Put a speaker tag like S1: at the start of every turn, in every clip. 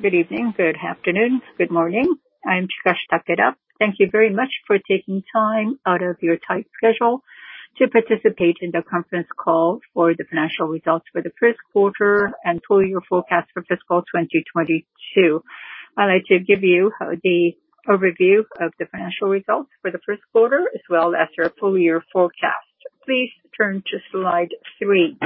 S1: Good evening, good afternoon, good morning. I'm Chikashi Takeda. Thank you very much for taking time out of your tight schedule to participate in the conference call for the financial results for the first quarter and full-year forecast for fiscal 2022. I'd like to give you the overview of the financial results for the first quarter, as well as our full-year forecast. Please turn to slide three.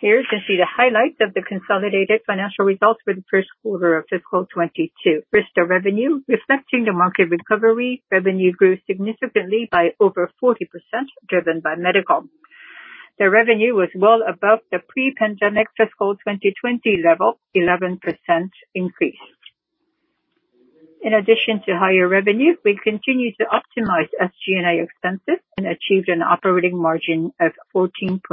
S1: Here you can see the highlights of the consolidated financial results for the first quarter of fiscal 2022. First, our revenue. Reflecting the market recovery, revenue grew significantly by over 40%, driven by medical. The revenue was well above the pre-pandemic fiscal 2020 level, 11% increase. In addition to higher revenue, we continued to optimize SG&A expenses and achieved an operating margin of 14.4%,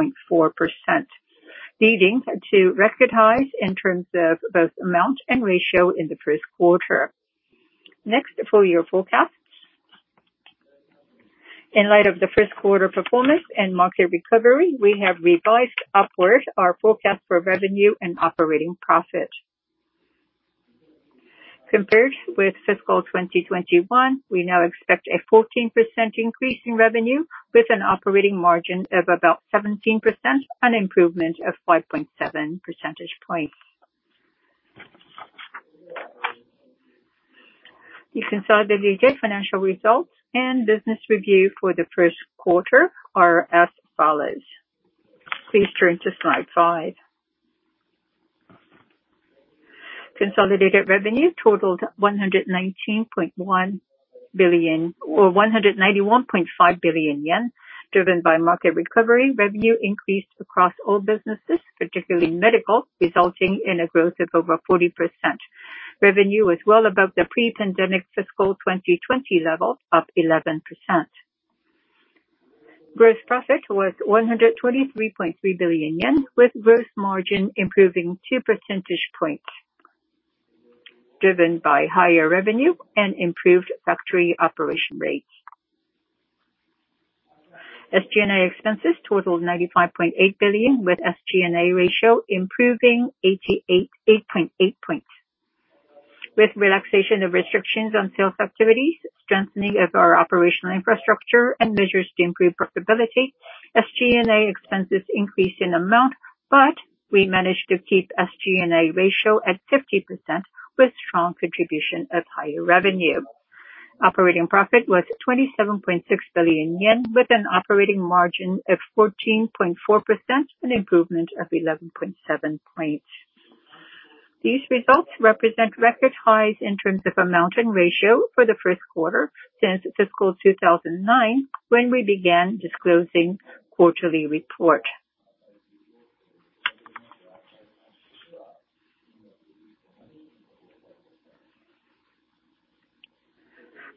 S1: leading to record highs in terms of both amount and ratio in the first quarter. Next, full-year forecast. In light of the first quarter performance and market recovery, we have revised upward our forecast for revenue and operating profit. Compared with fiscal 2021, we now expect a 14% increase in revenue with an operating margin of about 17%, an improvement of 5.7 percentage points. Consolidated financial results and business review for the first quarter are as follows. Please turn to slide five. Consolidated revenue totaled 191.5 billion yen. Driven by market recovery, revenue increased across all businesses, particularly medical, resulting in a growth of over 40%. Revenue was well above the pre-pandemic fiscal 2020 level, up 11%. Gross profit was 123.3 billion yen, with gross margin improving 2 percentage points, driven by higher revenue and improved factory operation rates. SG&A expenses totaled 95.8 billion, with SG&A ratio improving 8.8 points. With relaxation of restrictions on sales activities, strengthening of our operational infrastructure, and measures to improve profitability, SG&A expenses increased in amount, but we managed to keep SG&A ratio at 50%, with strong contribution of higher revenue. Operating profit was 27.6 billion yen with an operating margin of 14.4%, an improvement of 11.7 points. These results represent record highs in terms of amount and ratio for the first quarter since fiscal 2009, when we began disclosing quarterly report.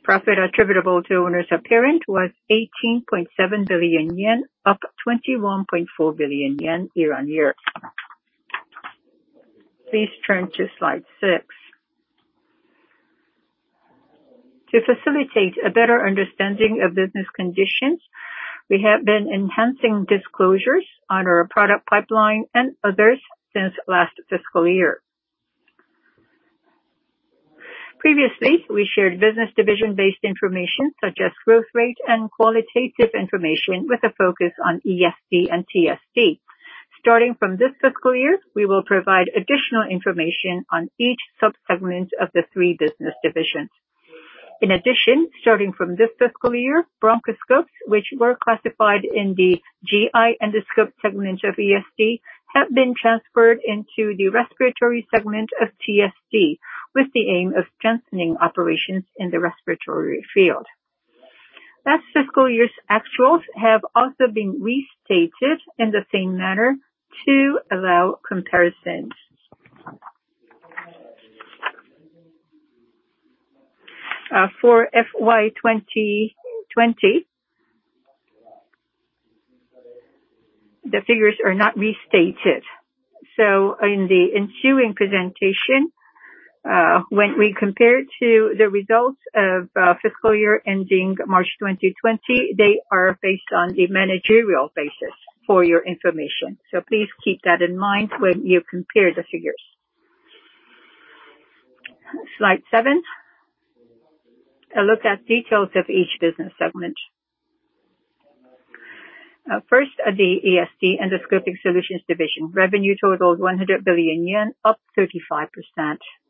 S1: Profit attributable to owners appearing was 18.7 billion yen, up 21.4 billion yen year-on-year. Please turn to slide six. To facilitate a better understanding of business conditions, we have been enhancing disclosures on our product pipeline and others since last fiscal year. Previously, we shared business division-based information such as growth rate and qualitative information, with a focus on ESD and TSD. Starting from this fiscal year, we will provide additional information on each sub-segment of the three business divisions. In addition, starting from this fiscal year, bronchoscopes, which were classified in the GI endoscope segment of ESD, have been transferred into the respiratory segment of TSD with the aim of strengthening operations in the respiratory field. Last fiscal year's actuals have also been restated in the same manner to allow comparisons. For FY 2020, the figures are not restated. In the ensuing presentation, when we compare to the results of fiscal year ending March 2020, they are based on the managerial basis for your information. Please keep that in mind when you compare the figures. Slide seven. A look at details of each business segment. First, the ESD, Endoscopic Solutions Division. Revenue totaled 100 billion yen, up 35%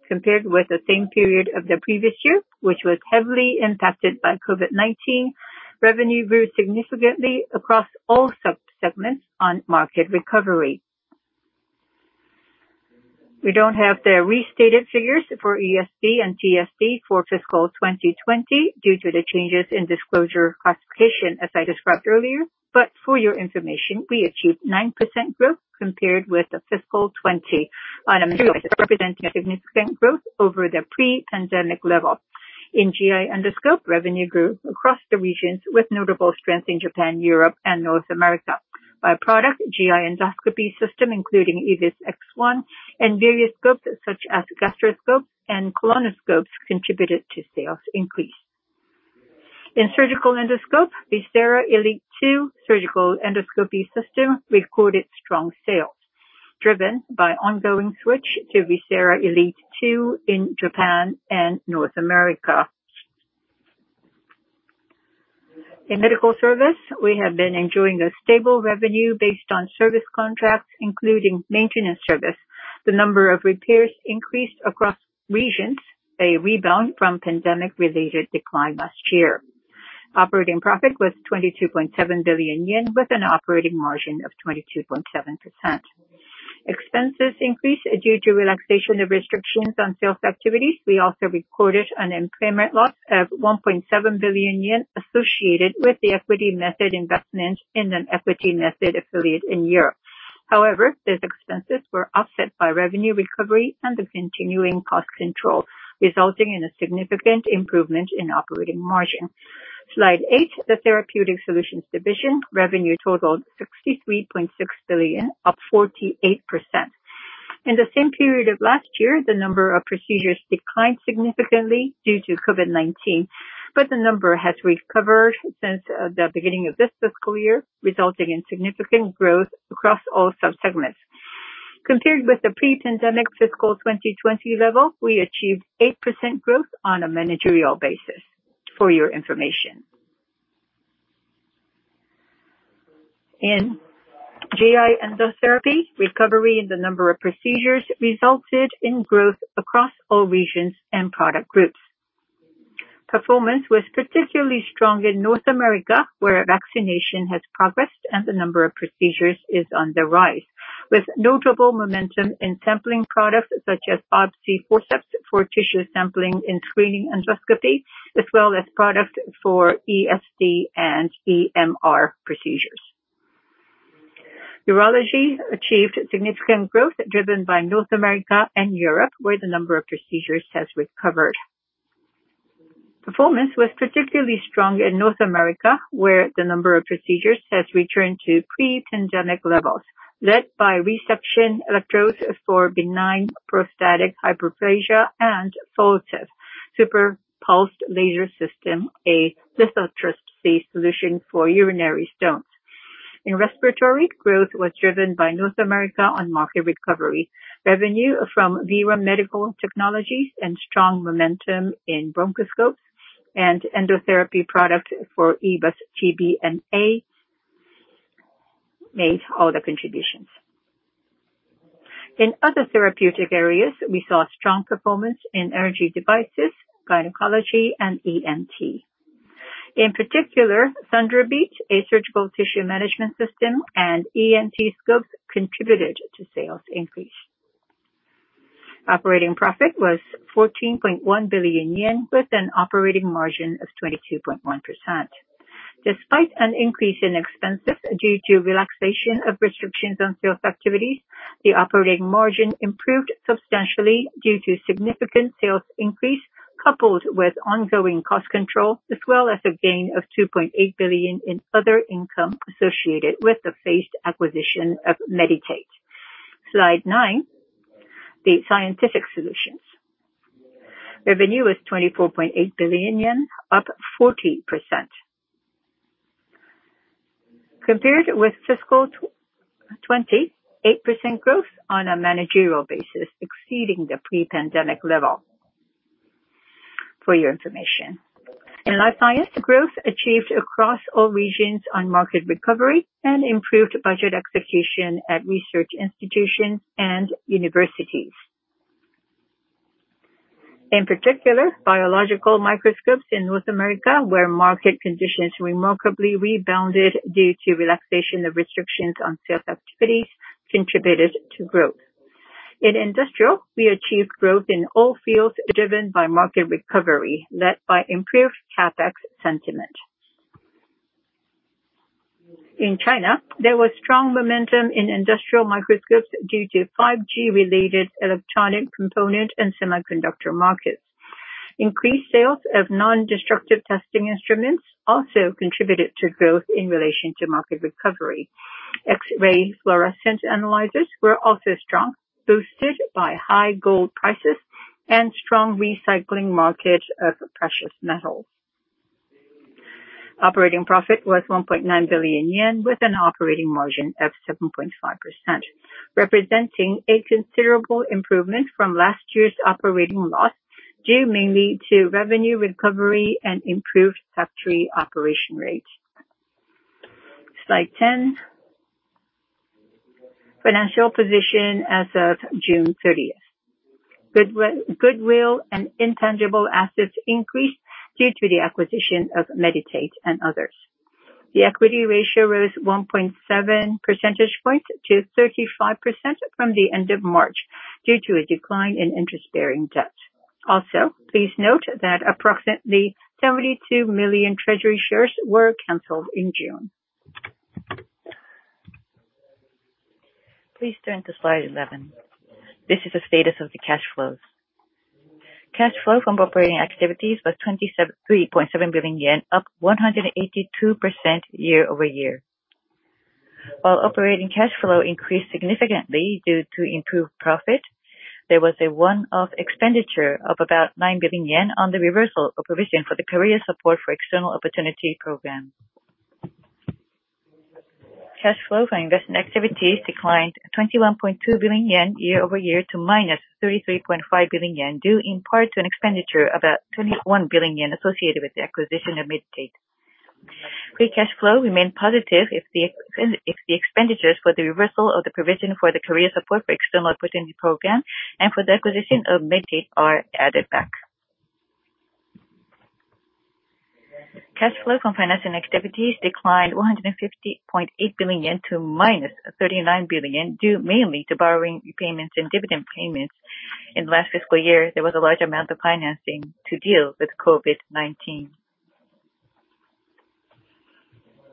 S1: compared with the same period of the previous year, which was heavily impacted by COVID-19. Revenue grew significantly across all sub-segments on market recovery. We don't have the restated figures for ESD and TSD for FY 2020 due to the changes in disclosure classification as I described earlier. For your information, we achieved 9% growth compared with the FY 2020 on a representing a significant growth over the pre-pandemic level. In GI endoscope, revenue grew across the regions with notable strength in Japan, Europe, and North America. By product, GI endoscopy system, including EVIS X1 and various scopes such as gastroscopes and colonoscopes, contributed to sales increase. In surgical endoscope, VISERA ELITE II surgical endoscopy system recorded strong sales driven by ongoing switch to VISERA ELITE II in Japan and North America. In medical service, we have been enjoying a stable revenue based on service contracts, including maintenance service. The number of repairs increased across regions, a rebound from pandemic-related decline last year. Operating profit was 22.7 billion yen with an operating margin of 22.7%. Expenses increased due to relaxation of restrictions on sales activities. We also recorded an impairment loss of 1.7 billion yen associated with the equity method investment in an equity method affiliate in Europe. These expenses were offset by revenue recovery and the continuing cost control, resulting in a significant improvement in operating margin. Slide eight. The Therapeutic Solutions Division revenue totaled 63.6 billion, up 48%. In the same period of last year, the number of procedures declined significantly due to COVID-19, the number has recovered since the beginning of this fiscal year, resulting in significant growth across all sub-segments. Compared with the pre-pandemic fiscal 2020 level, we achieved 8% growth on a managerial basis. For your information. In GI endotherapy, recovery in the number of procedures resulted in growth across all regions and product groups. Performance was particularly strong in North America, where vaccination has progressed and the number of procedures is on the rise. With notable momentum in sampling products such as biopsy forceps for tissue sampling and screening endoscopy, as well as product for ESD and EMR procedures. Urology achieved significant growth driven by North America and Europe, where the number of procedures has recovered. Performance was particularly strong in North America, where the number of procedures has returned to pre-pandemic levels, led by resection electrodes for benign prostatic hyperplasia and Focus, SuperPulsed laser system, a lithotripsy solution for urinary stones. In respiratory, growth was driven by North America on market recovery. Revenue from Veran Medical Technologies and strong momentum in bronchoscope and endotherapy product for EBUS-TBNA made all the contributions. In other therapeutic areas, we saw strong performance in energy devices, gynecology, and ENT. In particular, THUNDERBEAT, a surgical tissue management system, and ENT scopes contributed to sales increase. Operating profit was 14.1 billion yen, with an operating margin of 22.1%. Despite an increase in expenses due to relaxation of restrictions on sales activities, the operating margin improved substantially due to significant sales increase coupled with ongoing cost control, as well as a gain of 2.8 billion in other income associated with the phased acquisition of Medi-Tate. Slide nine. The Scientific Solutions Division. Revenue is 24.8 billion yen, up 40%. Compared with fiscal 2020, 8% growth on a managerial basis, exceeding the pre-pandemic level. For your information. In life science, growth achieved across all regions on market recovery and improved budget execution at research institutions and universities. In particular, biological microscopes in North America, where market conditions remarkably rebounded due to relaxation of restrictions on sales activities contributed to growth. In industrial, we achieved growth in all fields driven by market recovery, led by improved CapEx sentiment. In China, there was strong momentum in industrial microscopes due to 5G-related electronic component and semiconductor markets. Increased sales of nondestructive testing instruments also contributed to growth in relation to market recovery. X-ray fluorescence analyzers were also strong, boosted by high gold prices and strong recycling market of precious metals. Operating profit was 1.9 billion yen with an operating margin of 7.5%, representing a considerable improvement from last year's operating loss, due mainly to revenue recovery and improved factory operation rates. Slide 10. Financial position as of June 30th. Goodwill and intangible assets increased due to the acquisition of Medi-Tate and others. The equity ratio rose 1.7 percentage points to 35% from the end of March due to a decline in interest-bearing debt. Please note that approximately 72 million treasury shares were canceled in June. Please turn to slide 11. This is the status of the cash flows. Cash flow from operating activities was 23.7 billion yen, up 182% year-over-year. While operating cash flow increased significantly due to improved profit, there was a one-off expenditure of about 9 billion yen on the reversal of provision for the Career Support for External Opportunity Program. Cash flow from investment activities declined 21.2 billion yen year-over-year to -33.5 billion yen, due in part to an expenditure of about 21 billion yen associated with the acquisition of Medi-Tate. Free cash flow remained positive if the expenditures for the reversal of the provision for the Career Support for External Opportunity Program and for the acquisition of Medi-Tate are added back. Cash flow from financing activities declined 150.8 billion yen to -39 billion yen, due mainly to borrowing repayments and dividend payments. In the last fiscal year, there was a large amount of financing to deal with COVID-19.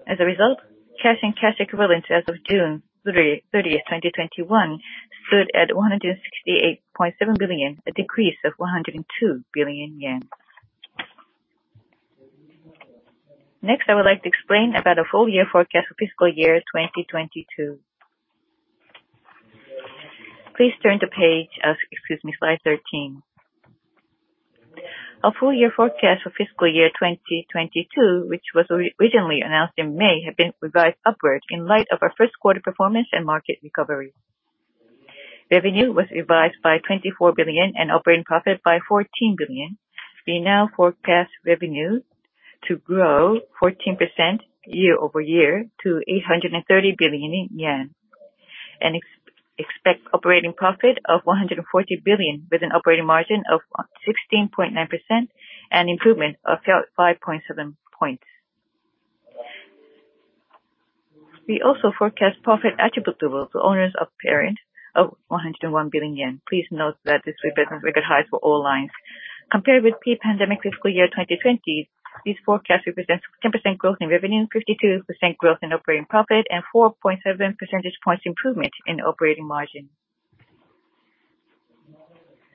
S1: As a result, cash and cash equivalents as of June 30th, 2021, stood at 168.7 billion, a decrease of 102 billion yen. I would like to explain about the full year forecast for fiscal year 2022. Please turn to page, excuse me, slide 13. Our full year forecast for fiscal year 2022, which was originally announced in May, have been revised upwards in light of our first quarter performance and market recovery. Revenue was revised by 24 billion and operating profit by 14 billion. We now forecast revenue to grow 14% year-over-year to 830 billion yen and expect operating profit of 140 billion with an operating margin of 16.9% and improvement of 5.7 points. We also forecast profit attributable to owners of parent of 101 billion yen. Please note that this represents record highs for all lines. Compared with pre-pandemic fiscal year 2020, these forecasts represent 10% growth in revenue, 52% growth in operating profit, and 4.7 percentage points improvement in operating margin.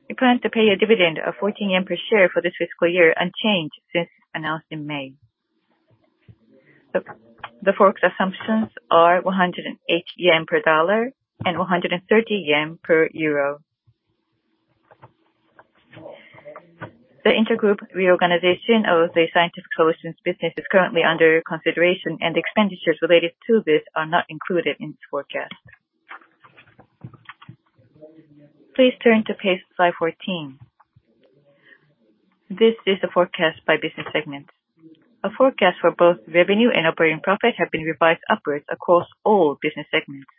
S1: We plan to pay a dividend of 14 yen per share for this fiscal year, unchanged since announced in May. The forecast assumptions are 108 yen per dollar and 130 yen per euro. The intergroup reorganization of the Scientific Solutions Business is currently under consideration, and expenditures related to this are not included in this forecast. Please turn to page slide 14. This is the forecast by business segment. Our forecast for both revenue and operating profit have been revised upwards across all business segments.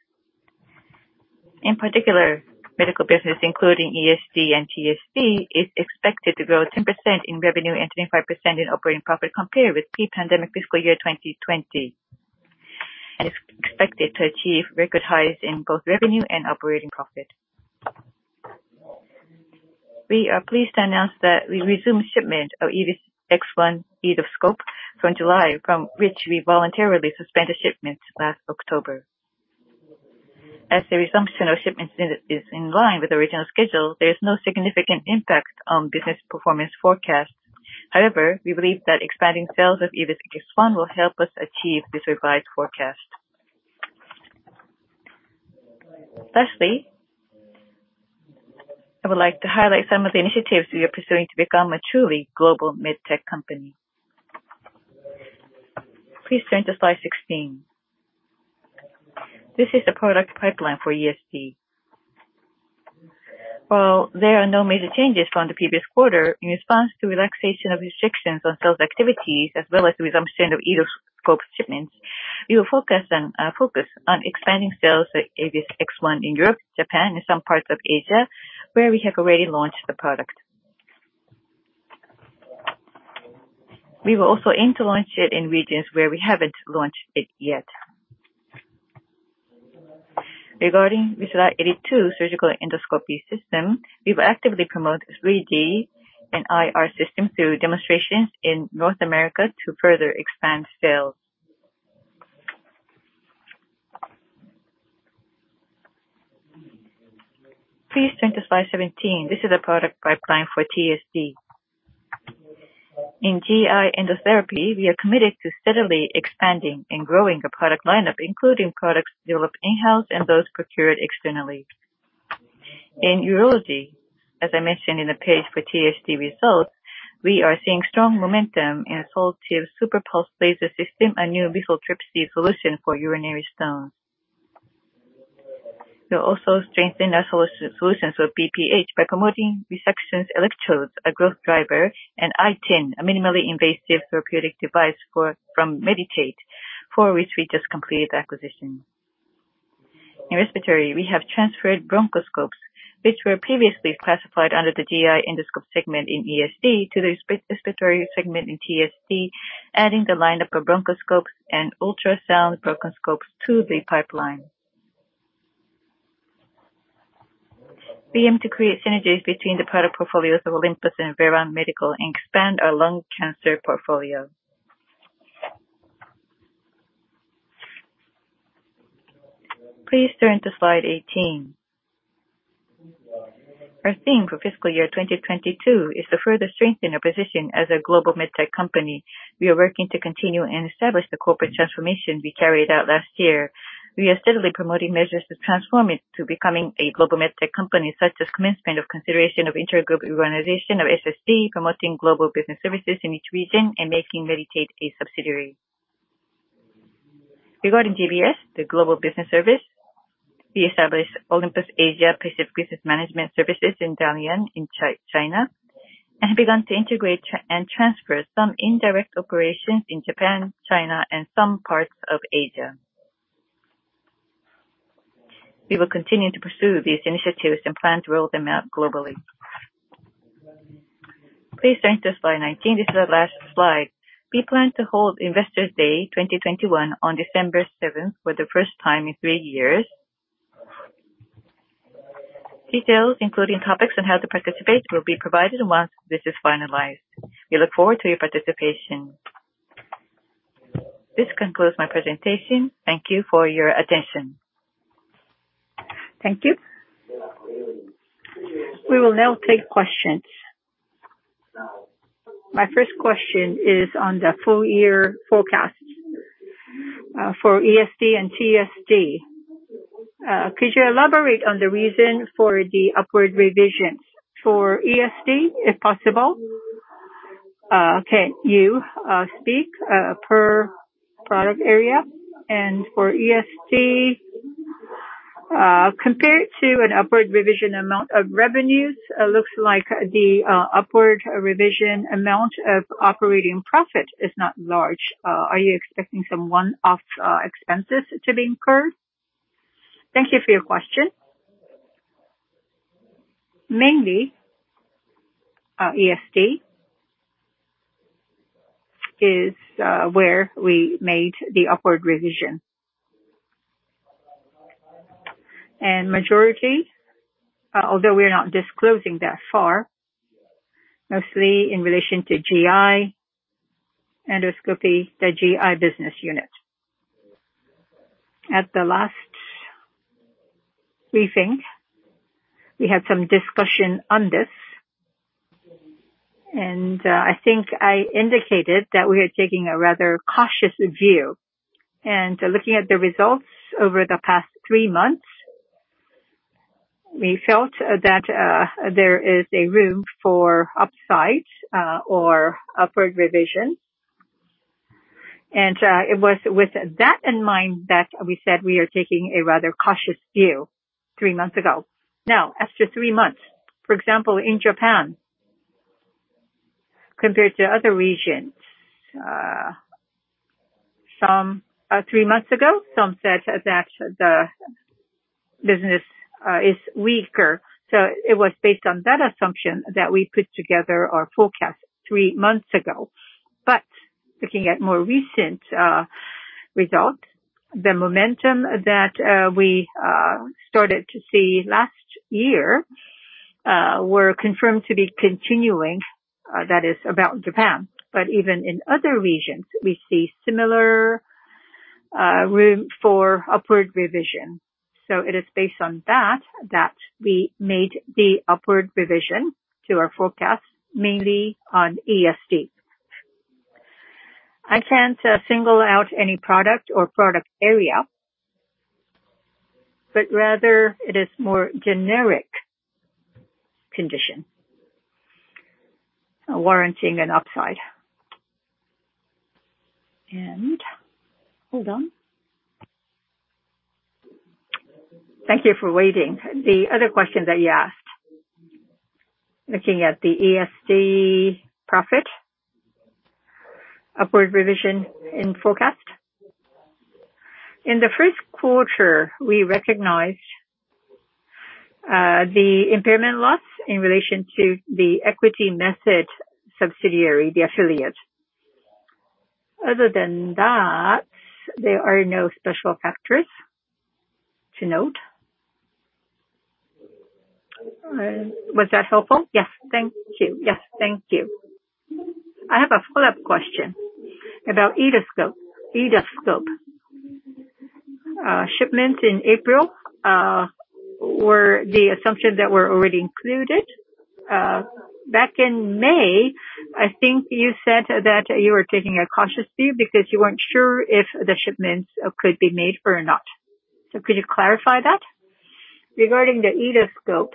S1: In particular, Medical Business, including ESD and TSD, is expected to grow 10% in revenue and 25% in operating profit compared with pre-pandemic fiscal year 2020, and is expected to achieve record highs in both revenue and operating profit. We are pleased to announce that we resumed shipment of EVIS X1 endoscope from July, from which we voluntarily suspended shipments last October. As the resumption of shipments is in line with the original schedule, there is no significant impact on business performance forecast. We believe that expanding sales of EVIS X1 will help us achieve this revised forecast. Lastly, I would like to highlight some of the initiatives we are pursuing to become a truly global med-tech company. Please turn to slide 16. This is the product pipeline for ESD. There are no major changes from the previous quarter, in response to relaxation of restrictions on sales activities as well as the resumption of endoscope shipments, we will focus on expanding sales of EVIS X1 in Europe, Japan, and some parts of Asia where we have already launched the product. We will also aim to launch it in regions where we haven't launched it yet. Regarding VISERA ELITE II surgical endoscopy system, we will actively promote 3D and IR system through demonstrations in North America to further expand sales. Please turn to slide 17. This is the product pipeline for TSD. In GI endotherapy, we are committed to steadily expanding and growing the product lineup, including products developed in-house and those procured externally. In urology, as I mentioned in the page for TSD results, we are seeing strong momentum in our SOLTIVE SuperPulsed laser system, a new lithotripsy solution for urinary stones. We'll also strengthen our solutions for BPH by promoting resection electrodes, a growth driver, and iTind, a minimally invasive therapeutic device from Medi-Tate, for which we just completed the acquisition. In respiratory, we have transferred bronchoscope, which were previously classified under the GI endoscope segment in ESD to the respiratory segment in TSD, adding the lineup of bronchoscope and ultrasound bronchoscope to the pipeline. We aim to create synergies between the product portfolios of Olympus and Veran Medical and expand our lung cancer portfolio. Please turn to slide 18. Our theme for fiscal year 2022 is to further strengthen our position as a global med tech company. We are working to continue and establish the corporate transformation we carried out last year. We are steadily promoting measures to transform it to becoming a global med tech company, such as commencement of consideration of inter-group organization of SSD, promoting global business services in each region, and making Medi-Tate a subsidiary. Regarding GBS, the global business service, we established Olympus Asia Pacific Business Management Services in Dalian in China, and have begun to integrate and transfer some indirect operations in Japan, China, and some parts of Asia. We will continue to pursue these initiatives and plan to roll them out globally. Please turn to slide 19. This is our last slide. We plan to hold Investor Day 2021 on December 7th for the first time in three years. Details, including topics on how to participate, will be provided once this is finalized. We look forward to your participation. This concludes my presentation. Thank you for your attention.
S2: Thank you. We will now take questions. My first question is on the full year forecast for ESD and TSD. Could you elaborate on the reason for the upward revisions for ESD, if possible? Can you speak per product area? For ESD, compared to an upward revision amount of revenues, looks like the upward revision amount of operating profit is not large. Are you expecting some one-off expenses to be incurred?
S1: Thank you for your question. Mainly, ESD is where we made the upward revision. Majority, although we are not disclosing that far, mostly in relation to GI endoscopy, the GI business unit. At the last briefing, we had some discussion on this, and I think I indicated that we are taking a rather cautious view. Looking at the results over the past three months, we felt that there is a room for upside or upward revision. It was with that in mind that we said we are taking a rather cautious view three months ago. Now, after three months, for example, in Japan, compared to other regions, three months ago, some said that the business is weaker. It was based on that assumption that we put together our forecast three months ago. Looking at more recent results, the momentum that we started to see last year were confirmed to be continuing. That is about Japan. Even in other regions, we see similar room for upward revision. It is based on that we made the upward revision to our forecast, mainly on ESD. I can't single out any product or product area, but rather it is more generic condition warranting an upside. Hold on. Thank you for waiting. The other question that you asked. Looking at the ESD profit upward revision in forecast. In the first quarter, we recognized the impairment loss in relation to the equity method subsidiary, the affiliate. Other than that, there are no special factors to note. Was that helpful?
S2: Yes. Thank you. Yes. Thank you. I have a follow-up question about endoscope. Shipment in April were the assumptions that were already included. Back in May, I think you said that you were taking a cautious view because you weren't sure if the shipments could be made or not. Could you clarify that?
S1: Regarding the endoscope,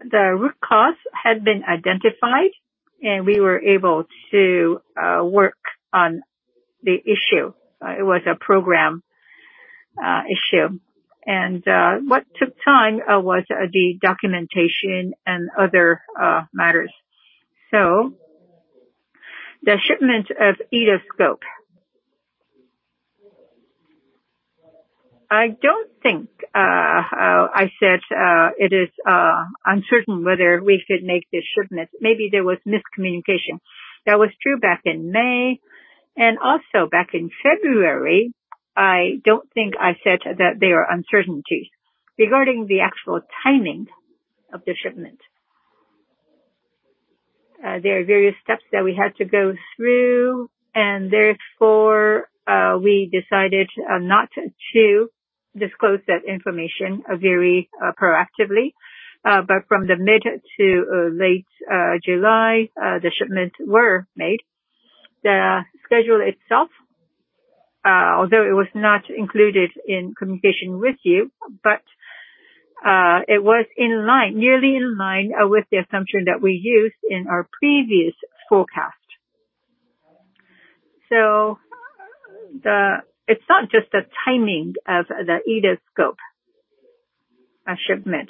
S1: the root cause had been identified, and we were able to work on the issue. It was a program issue, and what took time was the documentation and other matters. The shipment of endoscope. I don't think I said it is uncertain whether we could make the shipment. Maybe there was miscommunication. That was true back in May and also back in February. I don't think I said that there are uncertainties regarding the actual timing of the shipment. There are various steps that we had to go through, and therefore, we decided not to disclose that information very proactively. From the mid to late July, the shipments were made. The schedule itself, although it was not included in communication with you, but it was nearly in line with the assumption that we used in our previous forecast. It's not just the timing of the endoscope shipment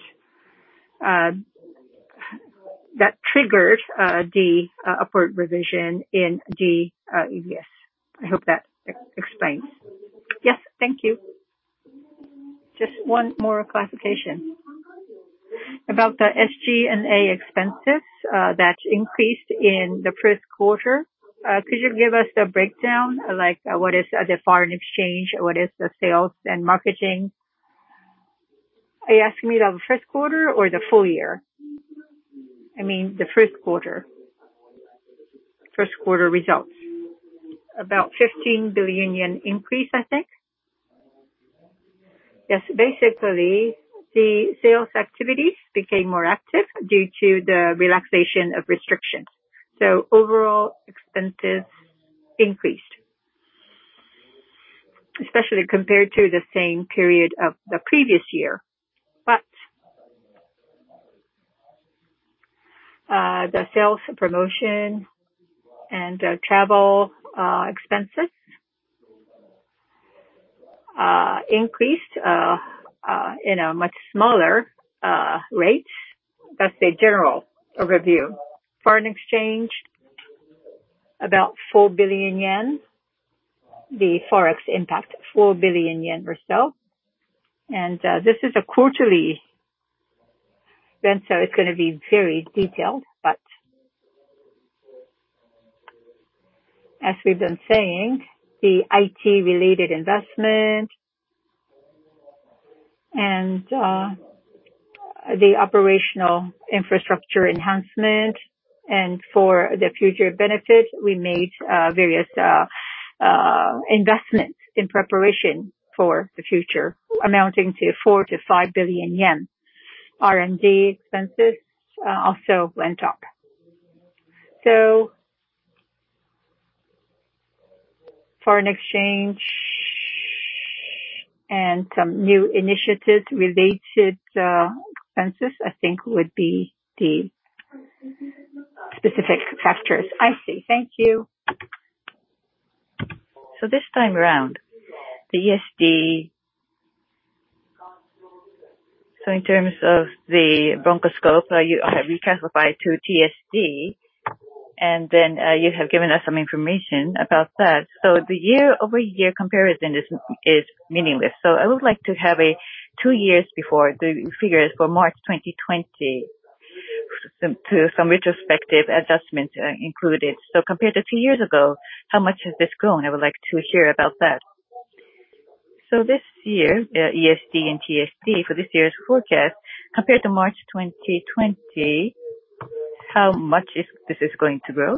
S1: that triggered the upward revision in the EPS. I hope that explains.
S2: Yes. Thank you. Just one more clarification. About the SG&A expenses that increased in the first quarter, could you give us the breakdown, like what is the foreign exchange, what is the sales and marketing?
S1: Are you asking me the first quarter or the full year?
S2: I mean the first quarter. First quarter results.
S1: About 15 billion yen increase, I think. Yes. Basically, the sales activities became more active due to the relaxation of restrictions. Overall, expenses increased, especially compared to the same period of the previous year. The sales promotion and travel expenses increased in a much smaller rate. That's the general overview. Foreign exchange, about 4 billion yen. The Forex impact, 4 billion yen or so. This is a quarterly spend, so it's going to be very detailed, but as we've been saying, the IT-related investment and the operational infrastructure enhancement, and for the future benefit, we made various investments in preparation for the future, amounting to 4 billion-5 billion yen. R&D expenses also went up. Foreign exchange and some new initiative-related expenses, I think, would be the specific factors.
S2: I see. Thank you. This time around, the ESD. In terms of the bronchoscope, you have reclassified to TSD, and then you have given us some information about that. The year-over-year comparison is meaningless. I would like to have a two years before the figures for March 2020 to some retrospective adjustments included. Compared to two years ago, how much has this grown? I would like to hear about that. This year, ESD and TSD for this year's forecast, compared to March 2020, how much this is going to grow?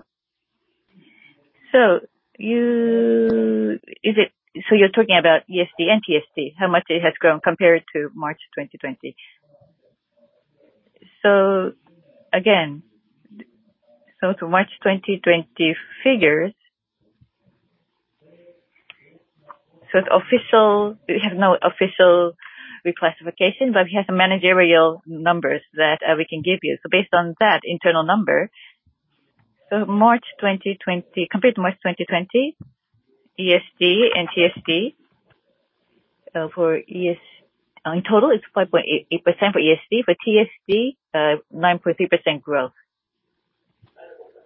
S2: You're talking about ESD and TSD, how much it has grown compared to March 2020.
S1: Again, to March 2020 figures. We have no official reclassification, but we have some managerial numbers that we can give you. Based on that internal number, compared to March 2020, ESD and TSD, in total it's 5.8% for ESD. For TSD, 9.3% growth.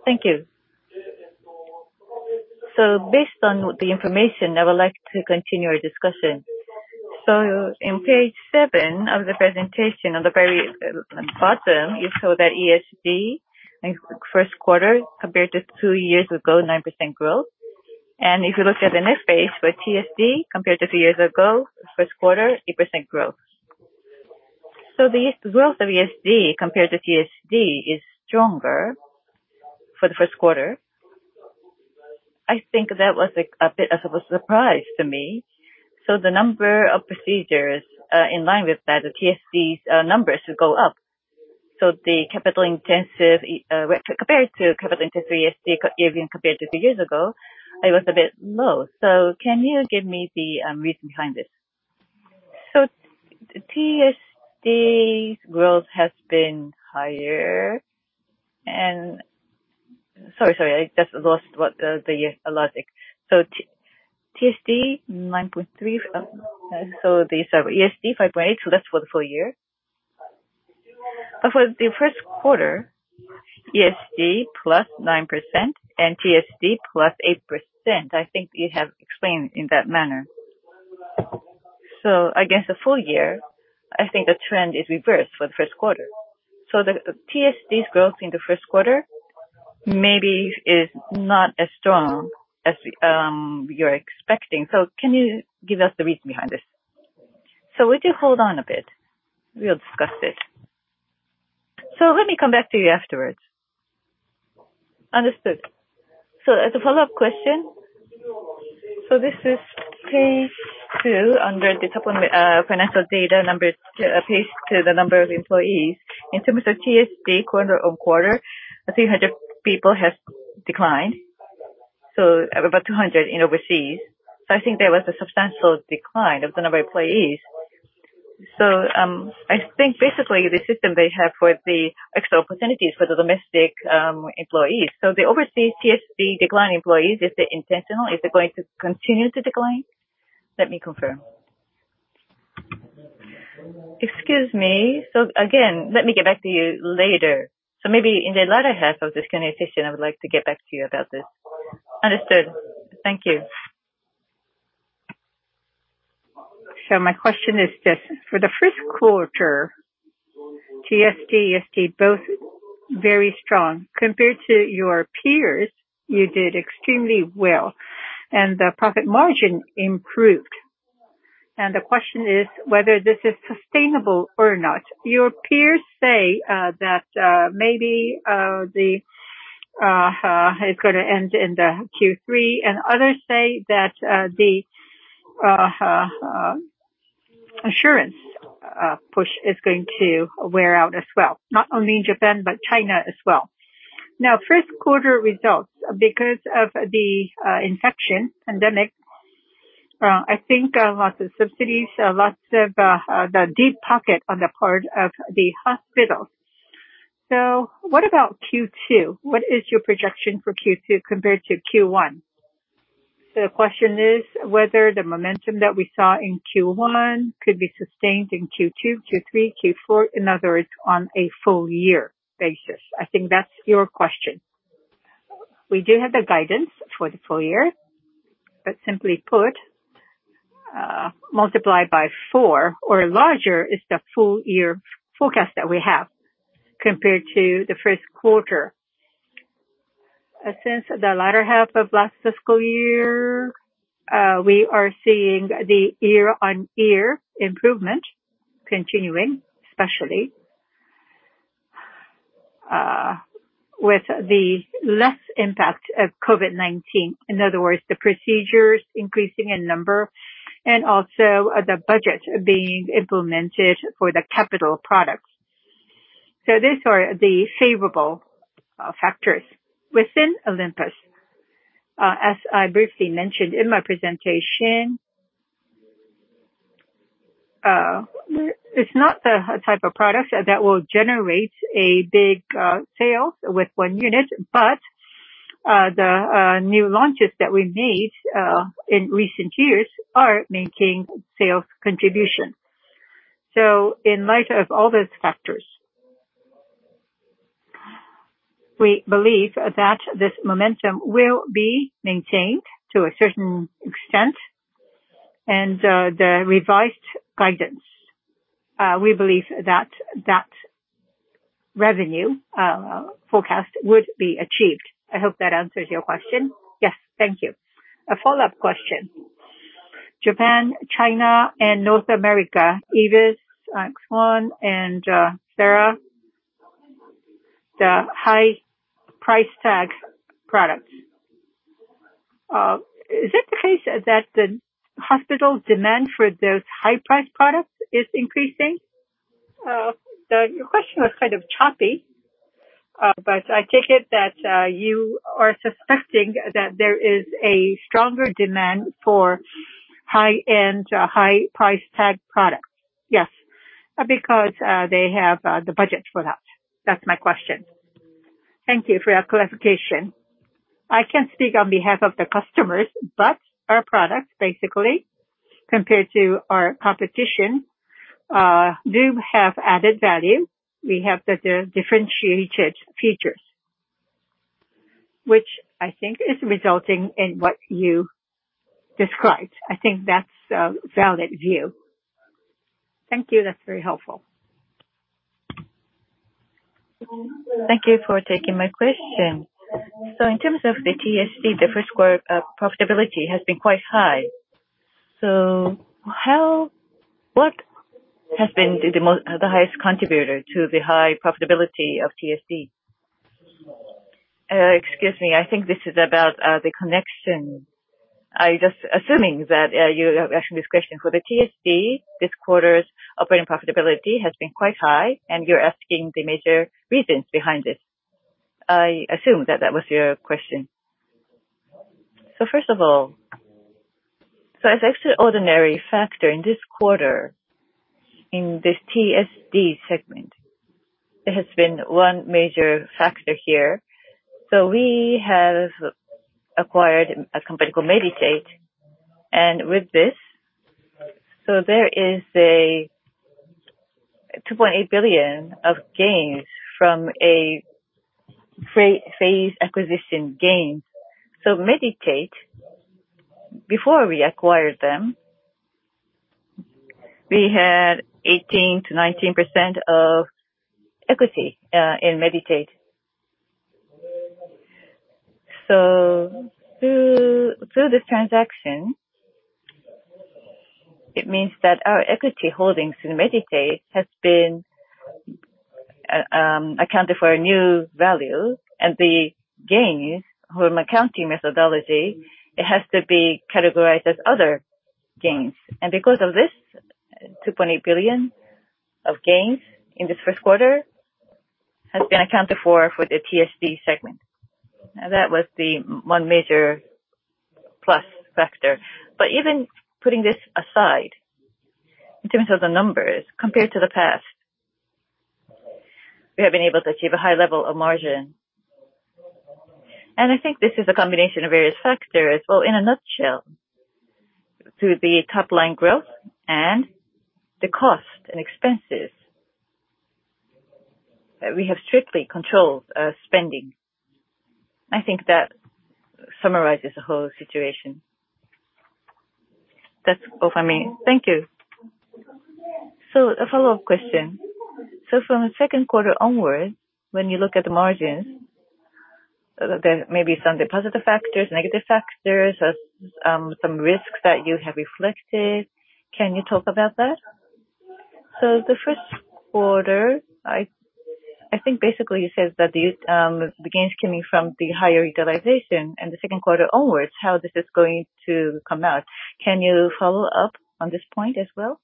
S2: Thank you. Based on the information, I would like to continue our discussion. On page seven of the presentation, on the very bottom, you show that ESD in first quarter compared to two years ago, 9% growth. If you look at the next page for TSD, compared to two years ago, first quarter, 8% growth. The growth of ESD compared to TSD is stronger for the first quarter. I think that was a bit of a surprise to me. The number of procedures in line with that, the TSD's numbers go up. Compared to capital intensive ESD, even compared to two years ago, it was a bit low. Can you give me the reason behind this?
S1: TSD's growth has been higher. Sorry, I just lost the logic. TSD, 9.3%. These are ESD 5.8%, that's for the full year. For the first quarter, ESD plus 9% and TSD plus 8%. I think you have explained in that manner.
S2: Against the full year, I think the trend is reversed for the first quarter. The TSD's growth in the first quarter maybe is not as strong as you're expecting. Can you give us the reason behind this?
S1: Would you hold on a bit? We'll discuss it. Let me come back to you afterwards.
S2: Understood. As a follow-up question, this is page two under the financial data page to the number of employees. In terms of TSD quarter-on-quarter, 300 people has declined, about 200 in overseas. I think there was a substantial decline of the number of employees. I think basically the system they have for the extra opportunities for the domestic employees. The overseas TSD decline employees, is it intentional? Is it going to continue to decline?
S1: Let me confirm. Excuse me. Again, let me get back to you later. Maybe in the latter half of this earnings session, I would like to get back to you about this.
S2: Understood. Thank you. My question is this. For the first quarter, TSD, ESD, both very strong. Compared to your peers, you did extremely well, and the profit margin improved. The question is whether this is sustainable or not. Your peers say that maybe it's going to end in Q3, and others say that the assurance push is going to wear out as well, not only in Japan, but China as well. First quarter results, because of the infection pandemic, I think lots of subsidies, lots of the deep pocket on the part of the hospitals. What about Q2? What is your projection for Q2 compared to Q1? The question is whether the momentum that we saw in Q1 could be sustained in Q2, Q3, Q4. In other words, on a full year basis. I think that's your question.
S1: We do have the guidance for the full year, but simply put, multiplied by four or larger is the full year forecast that we have compared to the 1st quarter. Since the latter half of last fiscal year, we are seeing the year-on-year improvement continuing, especially with the less impact of COVID-19. In other words, the procedures increasing in number and also the budget being implemented for the capital products. These are the favorable factors within Olympus. As I briefly mentioned in my presentation, it's not the type of product that will generate a big sale with one unit, but the new launches that we made in recent years are maintaining sales contribution. In light of all those factors, we believe that this momentum will be maintained to a certain extent and the revised guidance, we believe that revenue forecast would be achieved. I hope that answers your question.
S2: Yes. Thank you. A follow-up question. Japan, China, and North America, EVIS X1 and EXERA, the high price tag products. Is it the case that the hospital demand for those high price products is increasing? Your question was kind of choppy, but I take it that you are suspecting that there is a stronger demand for high-end, high price tag products. Yes, because they have the budget for that. That's my question.
S1: Thank you for your clarification. I can't speak on behalf of the customers, but our products basically, compared to our competition, do have added value. We have the differentiated features, which I think is resulting in what you described. I think that's a valid view.
S2: Thank you. That's very helpful. Thank you for taking my question. In terms of the TSD, the first quarter profitability has been quite high. What has been the highest contributor to the high profitability of TSD?
S1: Excuse me, I think this is about the connection. I'm just assuming that you're asking this question for the TSD, this quarter's operating profitability has been quite high, and you're asking the major reasons behind it. I assume that that was your question. First of all, as extraordinary factor in this quarter, in this TSD segment, there has been one major factor here. We have acquired a company called Medi-Tate, and with this, there is a 2.8 billion of gains from a phase acquisition gains. Medi-Tate, before we acquired them, we had 18%-19% of equity in Medi-Tate. Through this transaction, it means that our equity holdings in Medi-Tate has been accounted for a new value and the gains from accounting methodology, it has to be categorized as other gains. Because of this, 2.8 billion of gains in the first quarter has been accounted for with the TSD segment. Now, that was the one major plus factor. Even putting this aside, in terms of the numbers compared to the past, we have been able to achieve a high level of margin. I think this is a combination of various factors. Well, in a nutshell, through the top line growth and the cost and expenses, we have strictly controlled our spending. I think that summarizes the whole situation.
S2: That's all for me. Thank you. A follow-up question. From the second quarter onwards, when you look at the margins, there may be some positive factors, negative factors, or some risks that you have reflected. Can you talk about that? The first quarter, I think basically you said that the gains coming from the higher utilization and the second quarter onwards, how this is going to come out. Can you follow up on this point as well?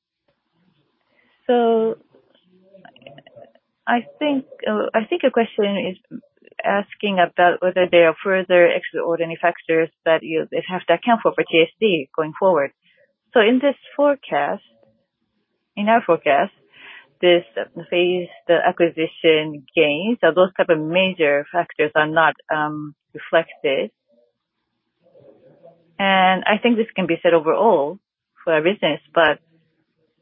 S1: I think your question is asking about whether there are further extraordinary factors that you will have to account for TSD going forward. In our forecast, this phase, the acquisition gains or those type of major factors are not reflected. I think this can be said overall for our business, but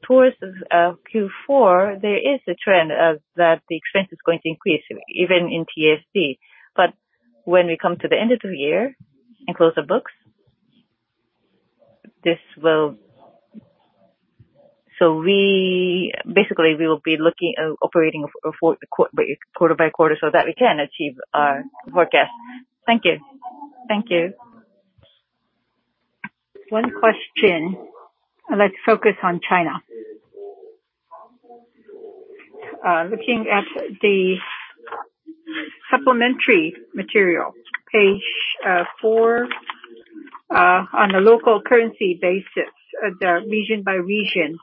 S1: towards Q4, there is a trend that the expense is going to increase even in TSD. When we come to the end of the year and close the books, basically, we will be operating quarter by quarter so that we can achieve our forecast. Thank you.
S2: One question. Let's focus on China. Looking at the supplementary material, page four, on a local currency basis, the region-by-region results.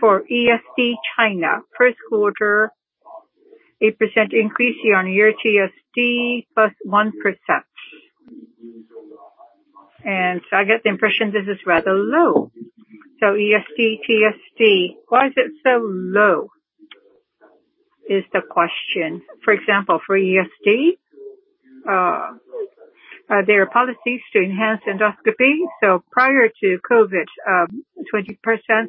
S2: For ESD China, first quarter, 8% increase year-on-year, TSD, +1%. I get the impression this is rather low. ESD, TSD, why is it so low, is the question? For example, for ESD, there are policies to enhance endoscopy. Prior to COVID, 20%-30%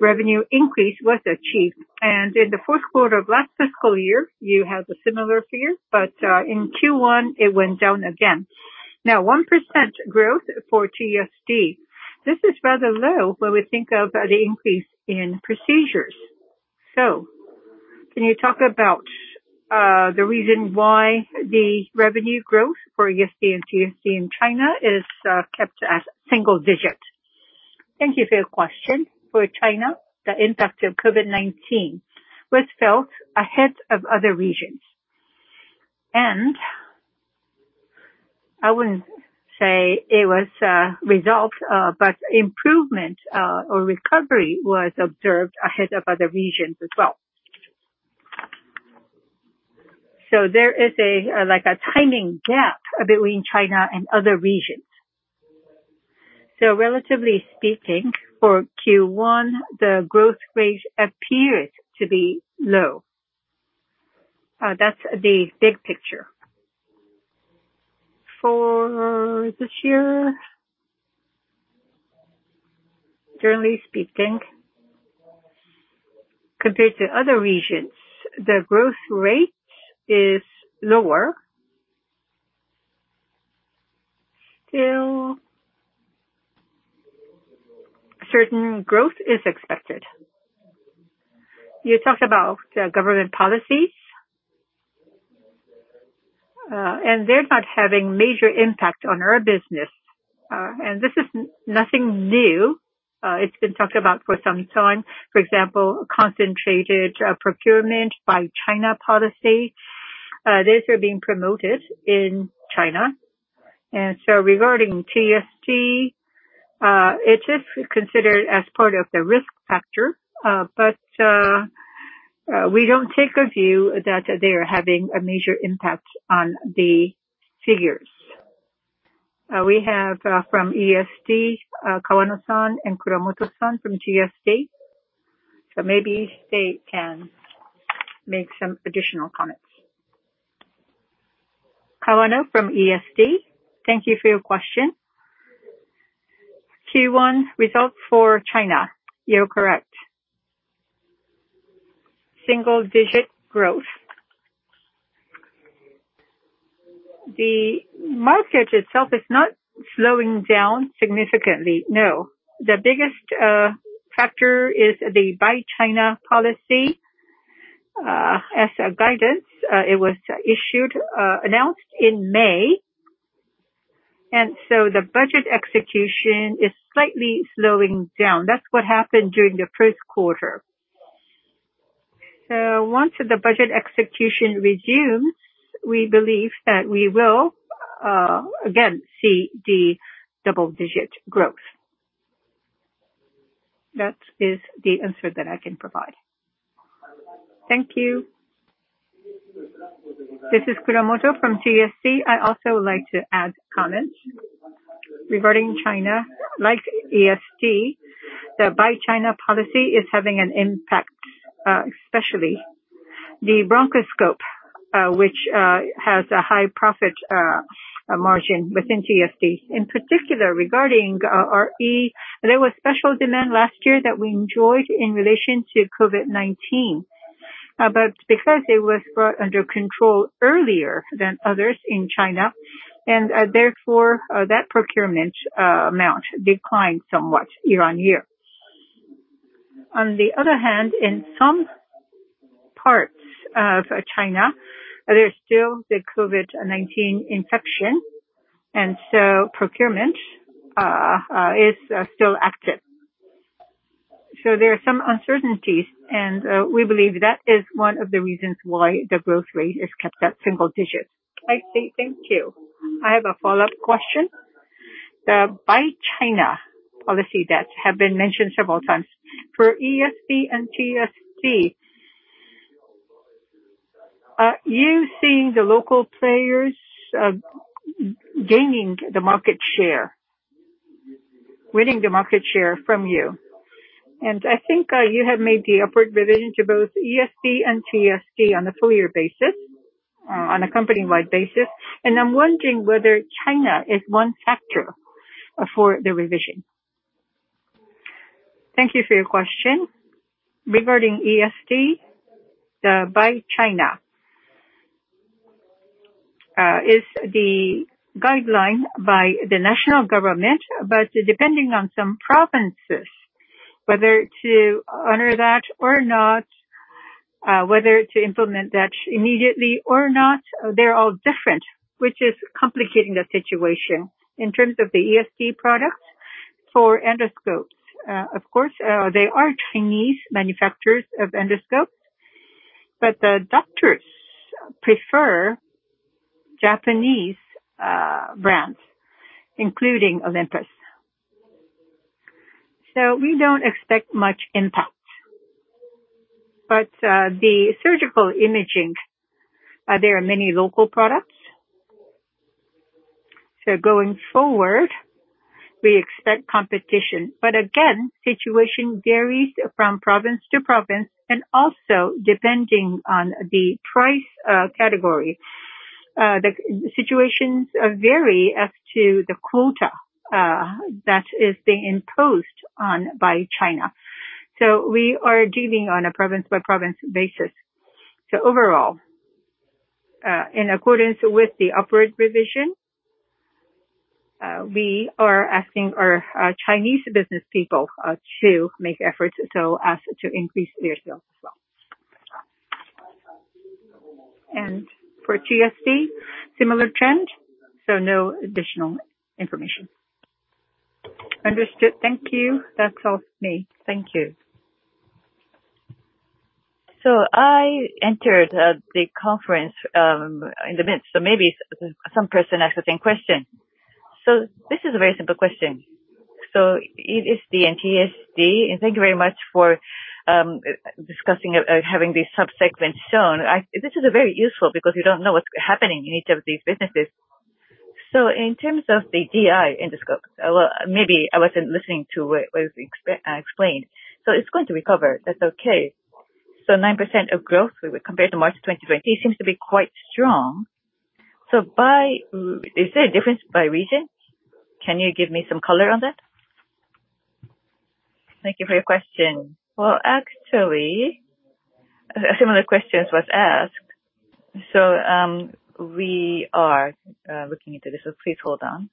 S2: revenue increase was achieved. In the fourth quarter of last fiscal year, you had a similar figure. In Q1, it went down again. Now, 1% growth for TSD. This is rather low when we think of the increase in procedures. Can you talk about the reason why the revenue growth for ESD and TSD in China is kept as single digit?
S1: Thank you for your question. For China, the impact of COVID-19 was felt ahead of other regions. I wouldn't say it was a result, but improvement or recovery was observed ahead of other regions as well. There is a timing gap between China and other regions. Relatively speaking, for Q1, the growth rate appeared to be low. That's the big picture. For this year, generally speaking, compared to other regions, the growth rate is lower. Still, certain growth is expected. You talked about government policies. They're not having major impact on our business. This is nothing new. It's been talked about for some time. For example, concentrated procurement by China policy. These are being promoted in China. Regarding TSD, it is considered as part of the risk factor. We don't take a view that they are having a major impact on the figures. We have from ESD, Kawano-san and Kuramoto-san from TSD. Maybe they can make some additional comments.
S3: Kawano from ESD. Thank you for your question. Q1 results for China, you're correct. Single-digit growth. The market itself is not slowing down significantly? No. The biggest factor is the Buy China policy as a guidance. It was announced in May, the budget execution is slightly slowing down. That's what happened during the first quarter. Once the budget execution resumes, we believe that we will again see the double-digit growth. That is the answer that I can provide. Thank you.
S4: This is Kuramoto from TSD. I also would like to add comments regarding China. Like ESD, the Buy China policy is having an impact, especially the bronchoscope, which has a high profit margin within TSD. In particular, regarding RE, there was special demand last year that we enjoyed in relation to COVID-19. Because it was brought under control earlier than others in China, and therefore, that procurement amount declined somewhat year-on-year. On the other hand, in some parts of China, there is still the COVID-19 infection, and so procurement is still active. There are some uncertainties, and we believe that is one of the reasons why the growth rate is kept at single digits.
S2: I see. Thank you. I have a follow-up question. The Buy China policy that has been mentioned several times, for ESD and TSD, are you seeing the local players gaining the market share, winning the market share from you? I think you have made the upward revision to both ESD and TSD on a full year basis, on a company-wide basis, and I'm wondering whether China is one factor for the revision.
S1: Thank you for your question. Regarding ESD, the Buy China, is the guideline by the national government. Depending on some provinces, whether to honor that or not, whether to implement that immediately or not, they're all different, which is complicating the situation. In terms of the ESD products, for endoscopes, of course, there are Chinese manufacturers of endoscopes. The doctors prefer Japanese brands, including Olympus. We don't expect much impact. The surgical imaging, there are many local products. Going forward, we expect competition. Again, situation varies from province to province and also depending on the price category. The situations vary as to the quota that is being imposed on by China. We are dealing on a province by province basis. Overall, in accordance with the upward revision, we are asking our Chinese business people to make efforts so as to increase their sales as well. For TSD, similar trend, no additional information.
S2: Understood. Thank you. That's all from me. Thank you. I entered the conference in the midst, maybe some person asked the same question. This is a very simple question. ESD and TSD, and thank you very much for discussing, having these subsegments shown. This is very useful because you don't know what's happening in each of these businesses. In terms of the GI endoscope, well, maybe I wasn't listening to what was explained. It's going to recover. That's okay. 9% of growth compared to March 2023 seems to be quite strong. Is there a difference by region? Can you give me some color on that?
S1: Thank you for your question. Well, actually, a similar question was asked. We are looking into this, so please hold on.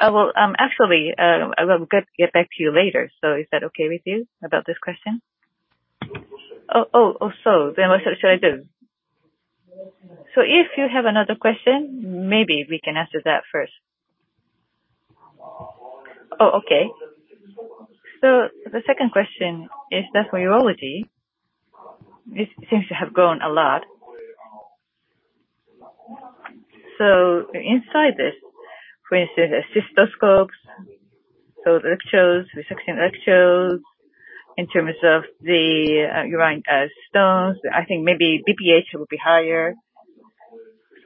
S1: Well, actually, I will get back to you later. Is that okay with you about this question?
S2: Oh, what should I do?
S1: If you have another question, maybe we can answer that first.
S2: Okay. The second question is the urology. It seems to have grown a lot. Inside this, for instance, cystoscopes, electrodes, resection electrodes in terms of the urine stones, I think maybe BPH will be higher.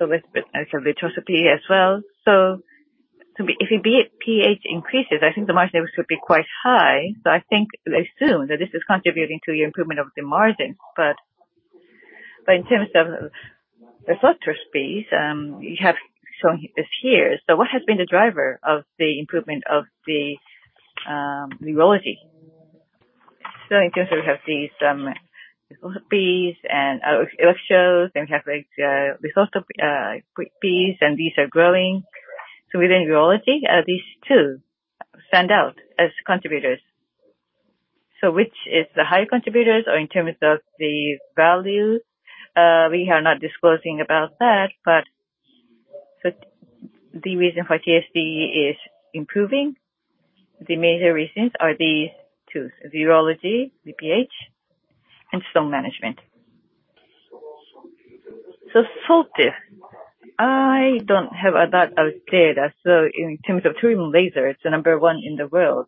S2: With lithotripsy as well. If your BPH increases, I think the margin there should be quite high. I think, assume, that this is contributing to your improvement of the margin. In terms of the SOLTIVE SuperPulsed, you have shown this here. What has been the driver of the improvement of the urology? In terms of these, lithotripsy and electrodes, these are growing. Within urology, these two stand out as contributors. Which is the high contributors or in terms of the values? We are not disclosing about that, the reason for TSD is improving. The major reasons are these two: urology, BPH, and stone management. SOLTIVE, I don't have that data. In terms of Holmium laser, it's the number one in the world.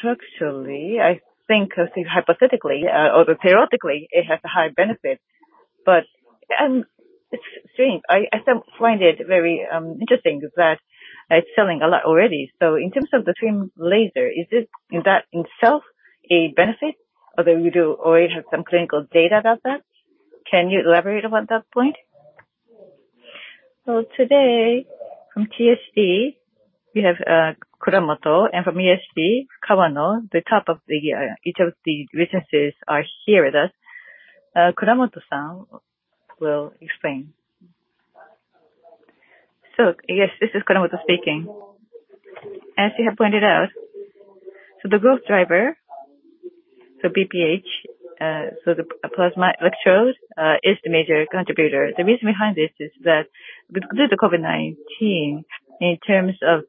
S2: Structurally, I think hypothetically or theoretically, it has a high benefit. It's strange. I find it very interesting that it's selling a lot already. In terms of the Holmium laser, is that in itself a benefit, or you do already have some clinical data about that? Can you elaborate on that point?
S1: Today, from TSD, we have Kuramoto, and from ESD, Kawano. The top of each of the businesses are here with us. Kuramoto-san will explain.
S4: Yes, this is Kuramoto speaking. As you have pointed out, the growth driver, BPH, the plasma electrodes, is the major contributor. The reason behind this is that due to COVID-19, in terms of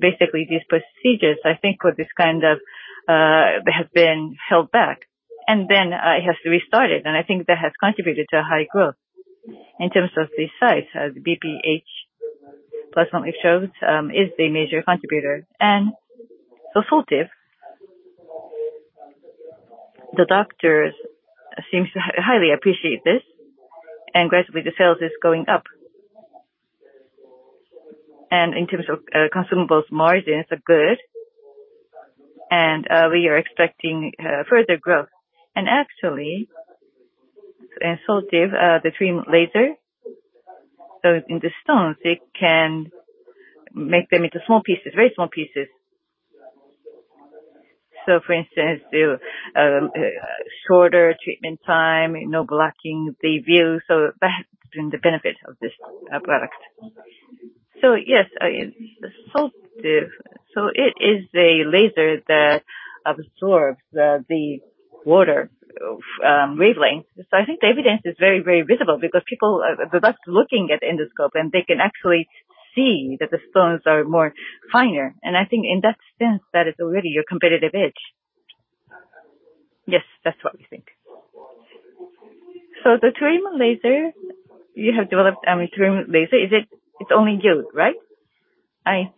S4: basically these procedures, I think this has been held back and then has restarted, and I think that has contributed to high growth in terms of these sites, as BPH plasma electrodes is the major contributor. SOLTIVE, the doctors seem to highly appreciate this, and gradually the sales is going up. In terms of consumables, margins are good, and we are expecting further growth. Actually, in SOLTIVE, the Holmium laser, in the stones, it can make them into very small pieces. For instance, shorter treatment time, no blocking the view, that has been the benefit of this product.
S1: Yes, SOLTIVE, it is a laser that absorbs the water wavelength. I think the evidence is very, very visible because people, the doctors looking at the endoscope, and they can actually see that the stones are more finer. I think in that sense, that is already your competitive edge. Yes, that's what we think. The Holmium laser you have developed, I mean, Holmium laser, it's only you, right? You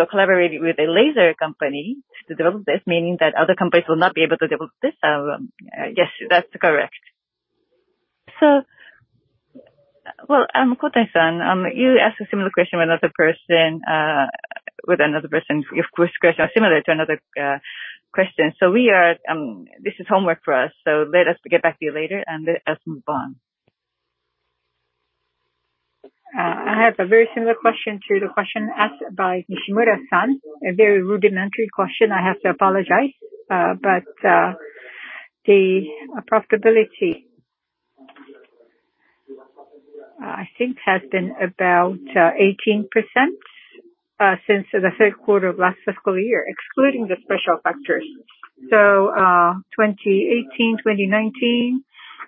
S1: are collaborating with a laser company to develop this, meaning that other companies will not be able to develop this. Yes, that's correct. Well, Kohtani-san, you asked a similar question with another person. Your question is similar to another question. This is homework for us, so let us get back to you later, and let us move on.
S2: I have a very similar question to the question asked by Nishimura-san. A very rudimentary question, I have to apologize. The profitability, I think, has been about 18% since the third quarter of last fiscal year, excluding the special factors. 2018, 2019,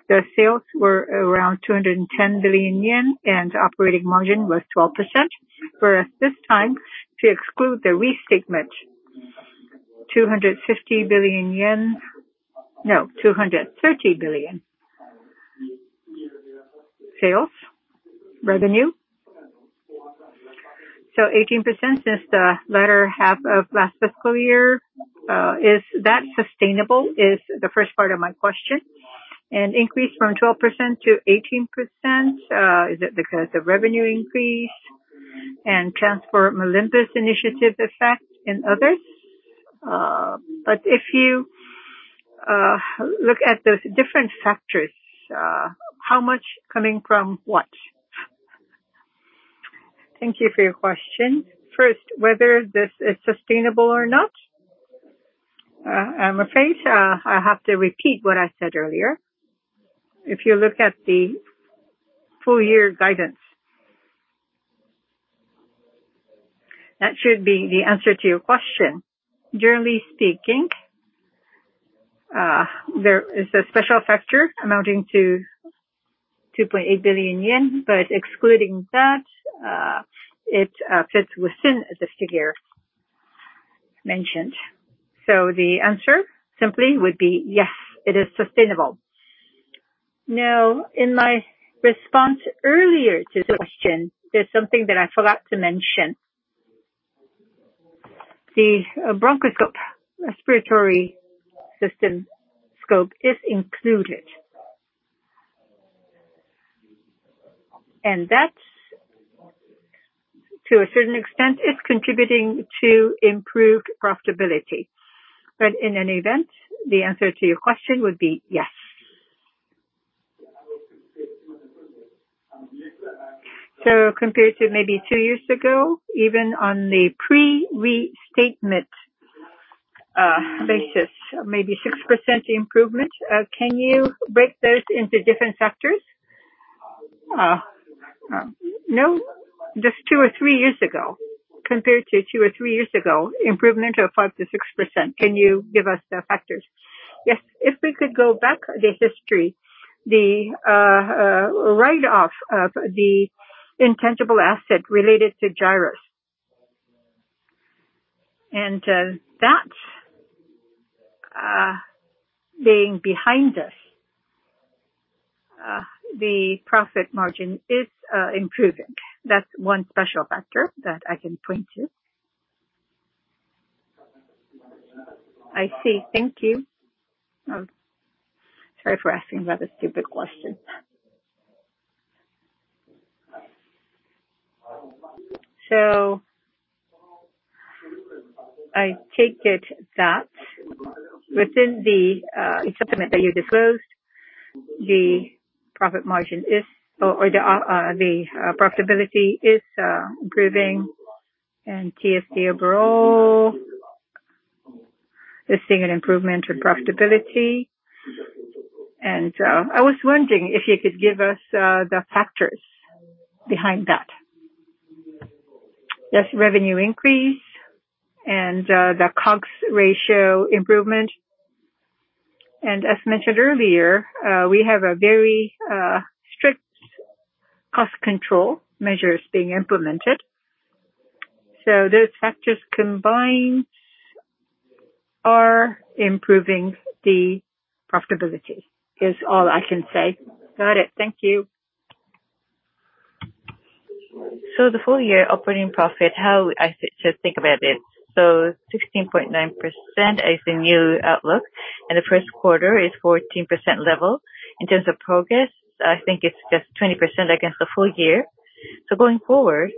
S2: the sales were around 210 billion yen, and operating margin was 12%. Whereas this time, if you exclude the restatement, 250 billion yen. No, 230 billion sales revenue. 18% since the latter half of last fiscal year. Is that sustainable? Is the first part of my question. Increase from 12%-18%, is it because of revenue increase and transfer from Olympus initiative effect and others? If you look at those different factors, how much coming from what?
S1: Thank you for your question. First, whether this is sustainable or not, I'm afraid I have to repeat what I said earlier. If you look at the full year guidance, that should be the answer to your question. Generally speaking, there is a special factor amounting to 2.8 billion yen, but excluding that, it fits within the figure mentioned. The answer simply would be yes, it is sustainable. In my response earlier to the question, there's something that I forgot to mention. The bronchoscope respiratory system scope is included. That, to a certain extent, is contributing to improved profitability. In any event, the answer to your question would be yes.
S2: Compared to maybe two years ago, even on the pre-restatement basis, maybe 6% improvement. Can you break those into different sectors? No. Just two or three years ago, compared to two or three years ago, improvement of 5%-6%. Can you give us the factors?
S1: Yes. If we could go back the history, the write-off of the intangible asset related to Gyrus. That being behind us, the profit margin is improving. That's one special factor that I can point to.
S2: I see. Thank you. Sorry for asking rather stupid question. I take it that within the supplement that you disclosed, the profitability is improving and TSD overall is seeing an improvement in profitability. I was wondering if you could give us the factors behind that.
S1: Yes, revenue increase and the COGS ratio improvement. As mentioned earlier, we have a very strict cost control measures being implemented. Those factors combined are improving the profitability, is all I can say.
S2: Got it. Thank you. The full year operating profit, how should I think about it? 16.9% is the new outlook, and the first quarter is 14% level. In terms of progress, I think it's just 20% against the full year. Going forward,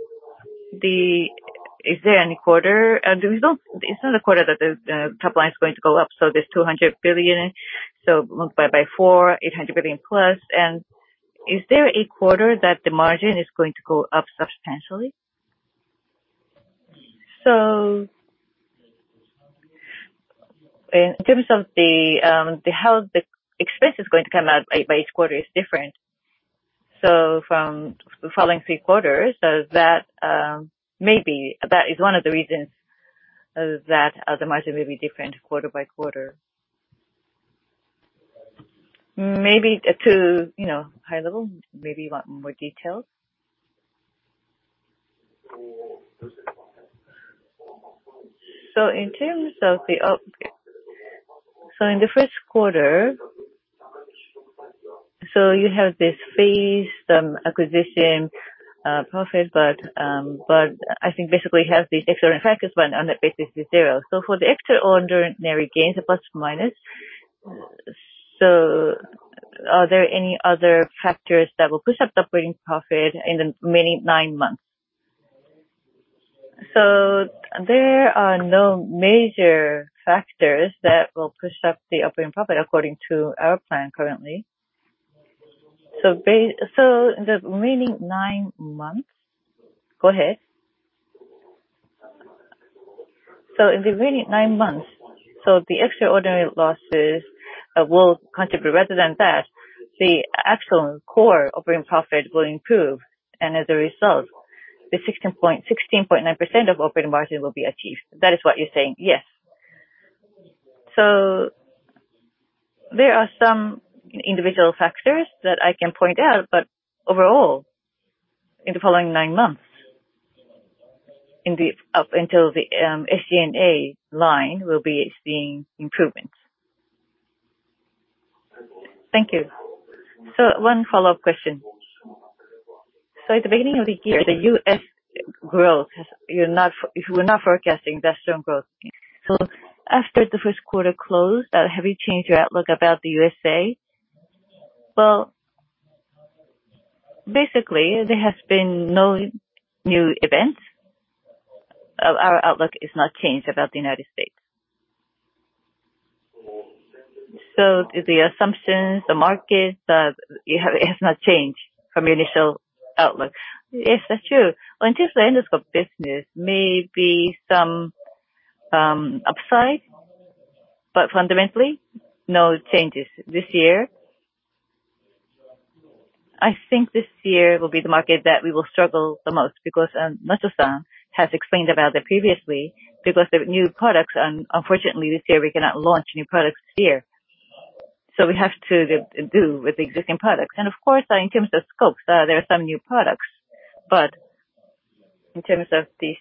S2: is there any quarter, it's not a quarter that the top line is going to go up, this 200 billion, multiply by four 800 billion plus. Is there a quarter that the margin is going to go up substantially?
S1: So, in terms of how the expense is going to come out by each quarter is different. From the following three quarters, maybe that is one of the reasons that the margin may be different quarter by quarter. Maybe to high level. Maybe you want more details?
S2: Oh, okay. In the first quarter, you have this phase, some acquisition profit, but I think basically you have the extraordinary factors, but on that basis is zero. For the extraordinary gains, the plus or minus, are there any other factors that will push up the operating profit in the remaining nine months?
S1: There are no major factors that will push up the operating profit according to our plan currently.
S2: In the remaining nine months.
S1: Go ahead.
S2: In the remaining nine months, so the extraordinary losses will contribute. Rather than that, the actual core operating profit will improve, and as a result, the 16.9% of operating margin will be achieved. That is what you're saying?
S1: Yes. There are some individual factors that I can point out, but overall, in the following nine months, up until the SG&A line, we'll be seeing improvements.
S2: Thank you. One follow-up question. At the beginning of the year, the U.S. growth, you were not forecasting that strong growth. After the first quarter closed, have you changed your outlook about the U.S.A.?
S1: Well, basically, there has been no new events. Our outlook is not changed about the U.S.
S2: The assumptions, the market, it has not changed from your initial outlook?
S1: Yes, that's true. Until the end of scope business, may be some upside, but fundamentally, no changes this year. I think this year will be the market that we will struggle the most because Matsu-san has explained about that previously, because the new products, unfortunately this year, we cannot launch new products here. We have to do with the existing products. Of course, in terms of scopes, there are some new products, but in terms of the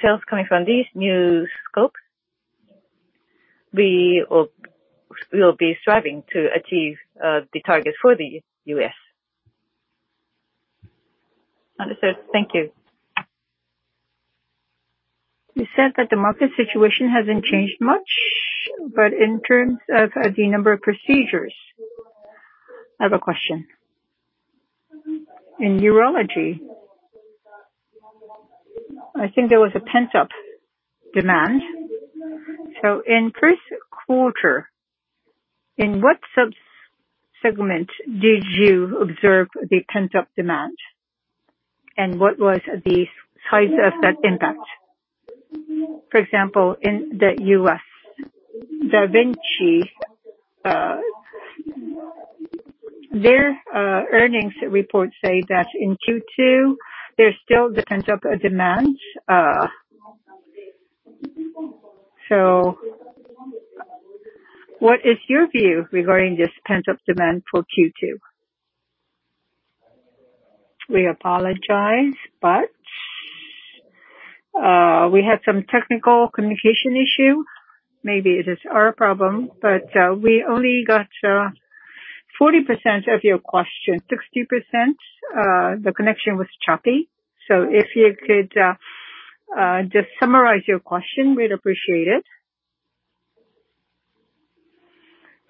S1: sales coming from these new scopes, we'll be striving to achieve the target for the U.S.
S2: Understood. Thank you. You said that the market situation hasn't changed much, but in terms of the number of procedures, I have a question. In urology I think there was a pent-up demand. In first quarter, in what sub-segment did you observe the pent-up demand? What was the size of that impact? For example, in the U.S., da Vinci, their earnings report say that in Q2, there's still the pent-up demand. What is your view regarding this pent-up demand for Q2? We apologize, but we had some technical communication issue. Maybe it is our problem, but we only got 40% of your question. 60%, the connection was choppy. If you could just summarize your question, we'd appreciate it.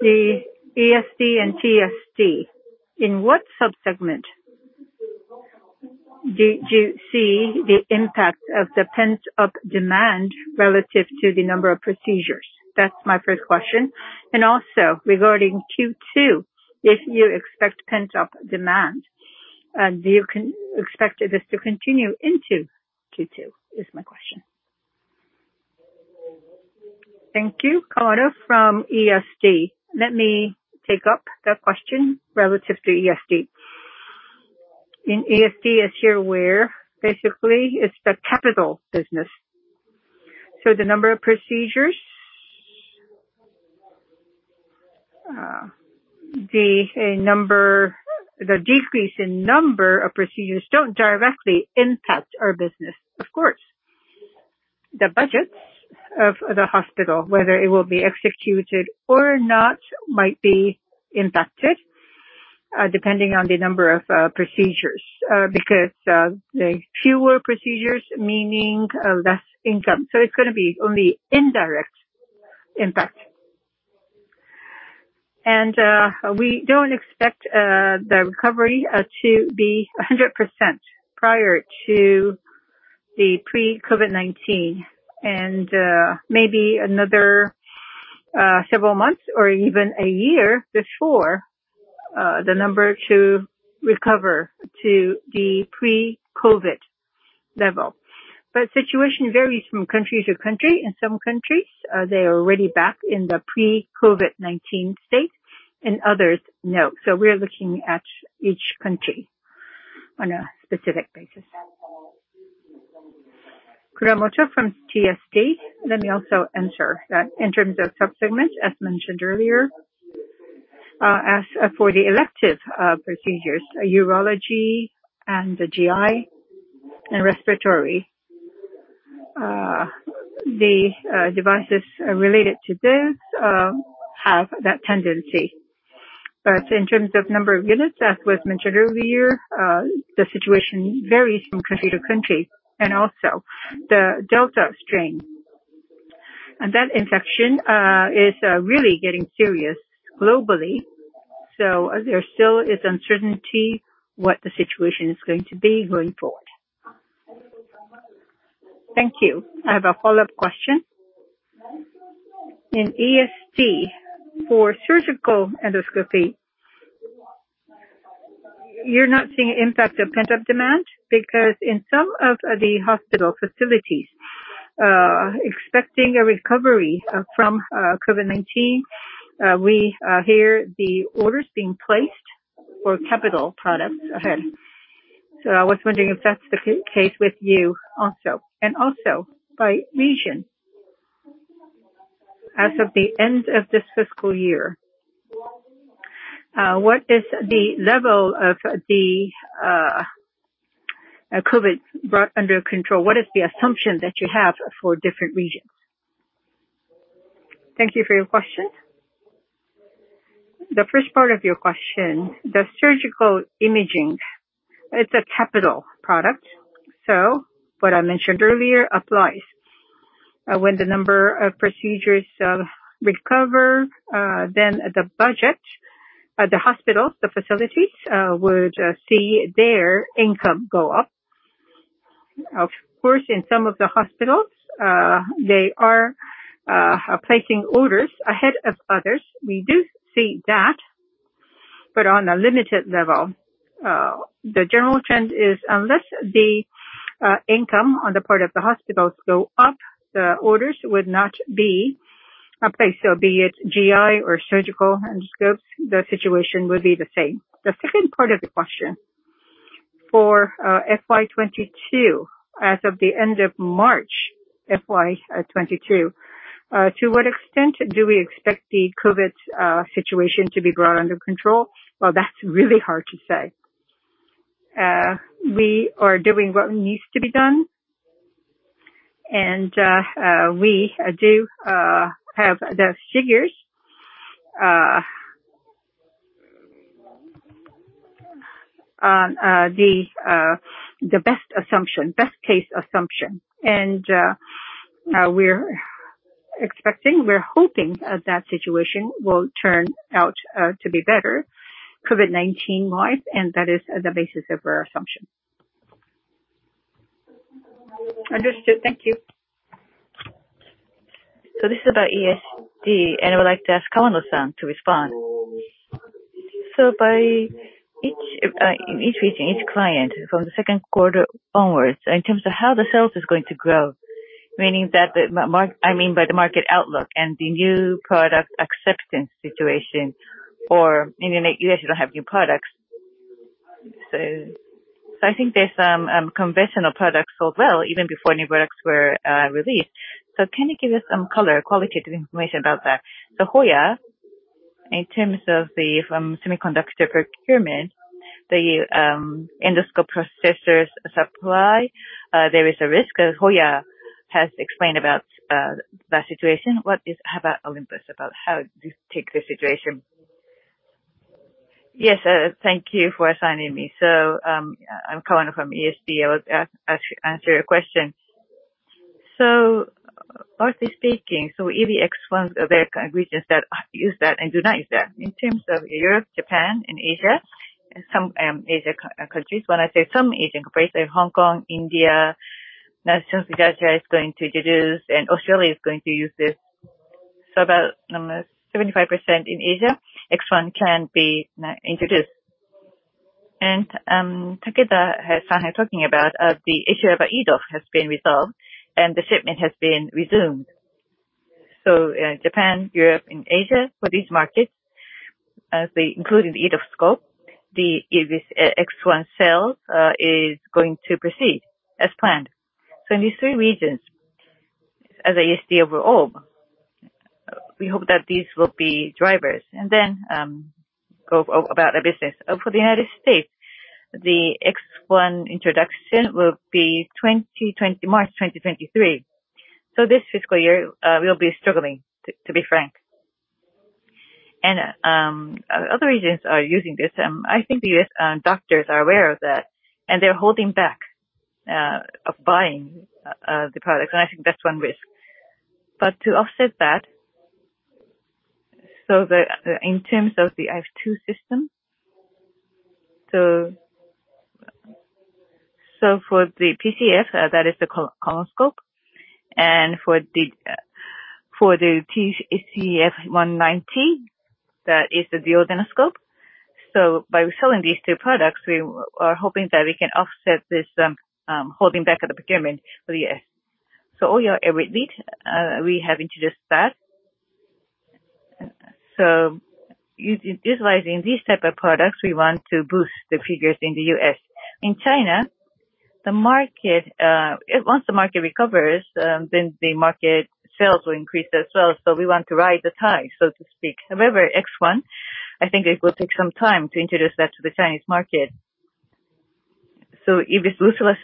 S2: The ESD and TSD, in what sub-segment did you see the impact of the pent-up demand relative to the number of procedures? That's my first question. Regarding Q2, if you expect pent-up demand, do you expect this to continue into Q2, is my question.
S5: Thank you. Koda from ESD. Let me take up that question relative to ESD. In ESD, as you're aware, basically, it's the capital business. The decrease in number of procedures don't directly impact our business. Of course, the budgets of the hospital, whether it will be executed or not, might be impacted, depending on the number of procedures, because the fewer procedures meaning less income. It's going to be only indirect impact. We don't expect the recovery to be 100% prior to the pre-COVID-19, and maybe another several months or even a year before the number to recover to the pre-COVID level. Situation varies from country to country. In some countries, they are already back in the pre-COVID-19 state, and others, no. We are looking at each country on a specific basis.
S4: Kuramoto from TSD. Let me also answer that in terms of sub-segments, as mentioned earlier. As for the elective procedures, urology and the GI and respiratory, the devices related to this have that tendency. In terms of number of units, as was mentioned earlier, the situation varies from country to country. The Delta variant. That infection is really getting serious globally. There still is uncertainty what the situation is going to be going forward.
S2: Thank you. I have a follow-up question. In ESD, for surgical endoscopy, you're not seeing impact of pent-up demand? Because in some of the hospital facilities, expecting a recovery from COVID-19, we hear the orders being placed for capital products ahead. I was wondering if that's the case with you also. By region, as of the end of this fiscal year, what is the level of the COVID brought under control? What is the assumption that you have for different regions?
S1: Thank you for your question. The first part of your question, the surgical imaging, it's a capital product. What I mentioned earlier applies. When the number of procedures recover, the budget at the hospital, the facilities would see their income go up. Of course, in some of the hospitals, they are placing orders ahead of others. We do see that, but on a limited level. The general trend is, unless the income on the part of the hospitals go up, the orders would not be placed. Be it GI or surgical endoscopes, the situation would be the same. The second part of the question, for FY 2022, as of the end of March FY 2022, to what extent do we expect the COVID situation to be brought under control? Well, that's really hard to say. We are doing what needs to be done. We do have the figures on the best assumption, best case assumption. Expecting, we're hoping that situation will turn out to be better COVID-19 wise. That is the basis of our assumption.
S2: Understood. Thank you. This is about ESD, and I would like to ask Kawano-san to respond. By each region, each client from the second quarter onwards, in terms of how the sales is going to grow, I mean by the market outlook and the new product acceptance situation, or in the U.S., you don't have new products. I think there's some conventional products sold well even before new products were released. Can you give us some color, qualitative information about that? Hoya, in terms of the semiconductor procurement, the endoscope processors supply, there is a risk. Hoya has explained about that situation. How about Olympus, about how you take the situation?
S3: Yes, thank you for assigning me. I'm Kawano from ESD. I will answer your question. Broadly speaking, EVIS X1, there are countries that use that and do not use that. In terms of Europe, Japan, and Asia, and some Asian countries. When I say some Asian countries, say Hong Kong, India, now since Jakarta is going to introduce and Australia is going to use this. About 75% in Asia, X1 can be introduced. Takeda-san was talking about the issue about ED scope has been resolved, and the shipment has been resumed. Japan, Europe, and Asia, for these markets, including the ED scope, the EVIS X1 sale is going to proceed as planned. In these three regions, as ESD overall, we hope that these will be drivers and then go about our business. For the United States, the X1 introduction will be March 2023. This fiscal year, we'll be struggling, to be frank. Other regions are using this. I think the U.S. doctors are aware of that, and they're holding back of buying the product, and I think that's one risk. To offset that, in terms of the IF2 system, for the PCF, that is the colonoscope, and for the TJF-190, that is the duodenoscope. By selling these two products, we are hoping that we can offset this holding back of the procurement for the U.S. OER-Elite, we have introduced that. Utilizing these type of products, we want to boost the figures in the U.S. In China, once the market recovers, then the market sales will increase as well. We want to ride the tide, so to speak. However, X1, I think it will take some time to introduce that to the Chinese market. EVIS LUCERA,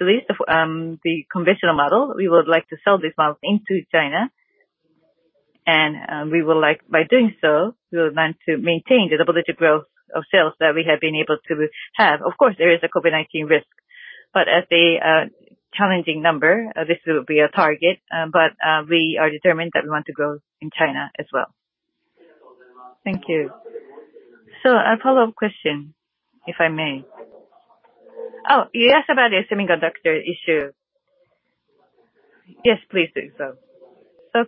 S3: the conventional model, we would like to sell this model into China, and by doing so, we would want to maintain the double-digit growth of sales that we have been able to have. Of course, there is a COVID-19 risk, at a challenging number, this will be our target, we are determined that we want to grow in China as well.
S2: Thank you. A follow-up question, if I may.
S3: You asked about the semiconductor issue.
S2: Yes, please do so.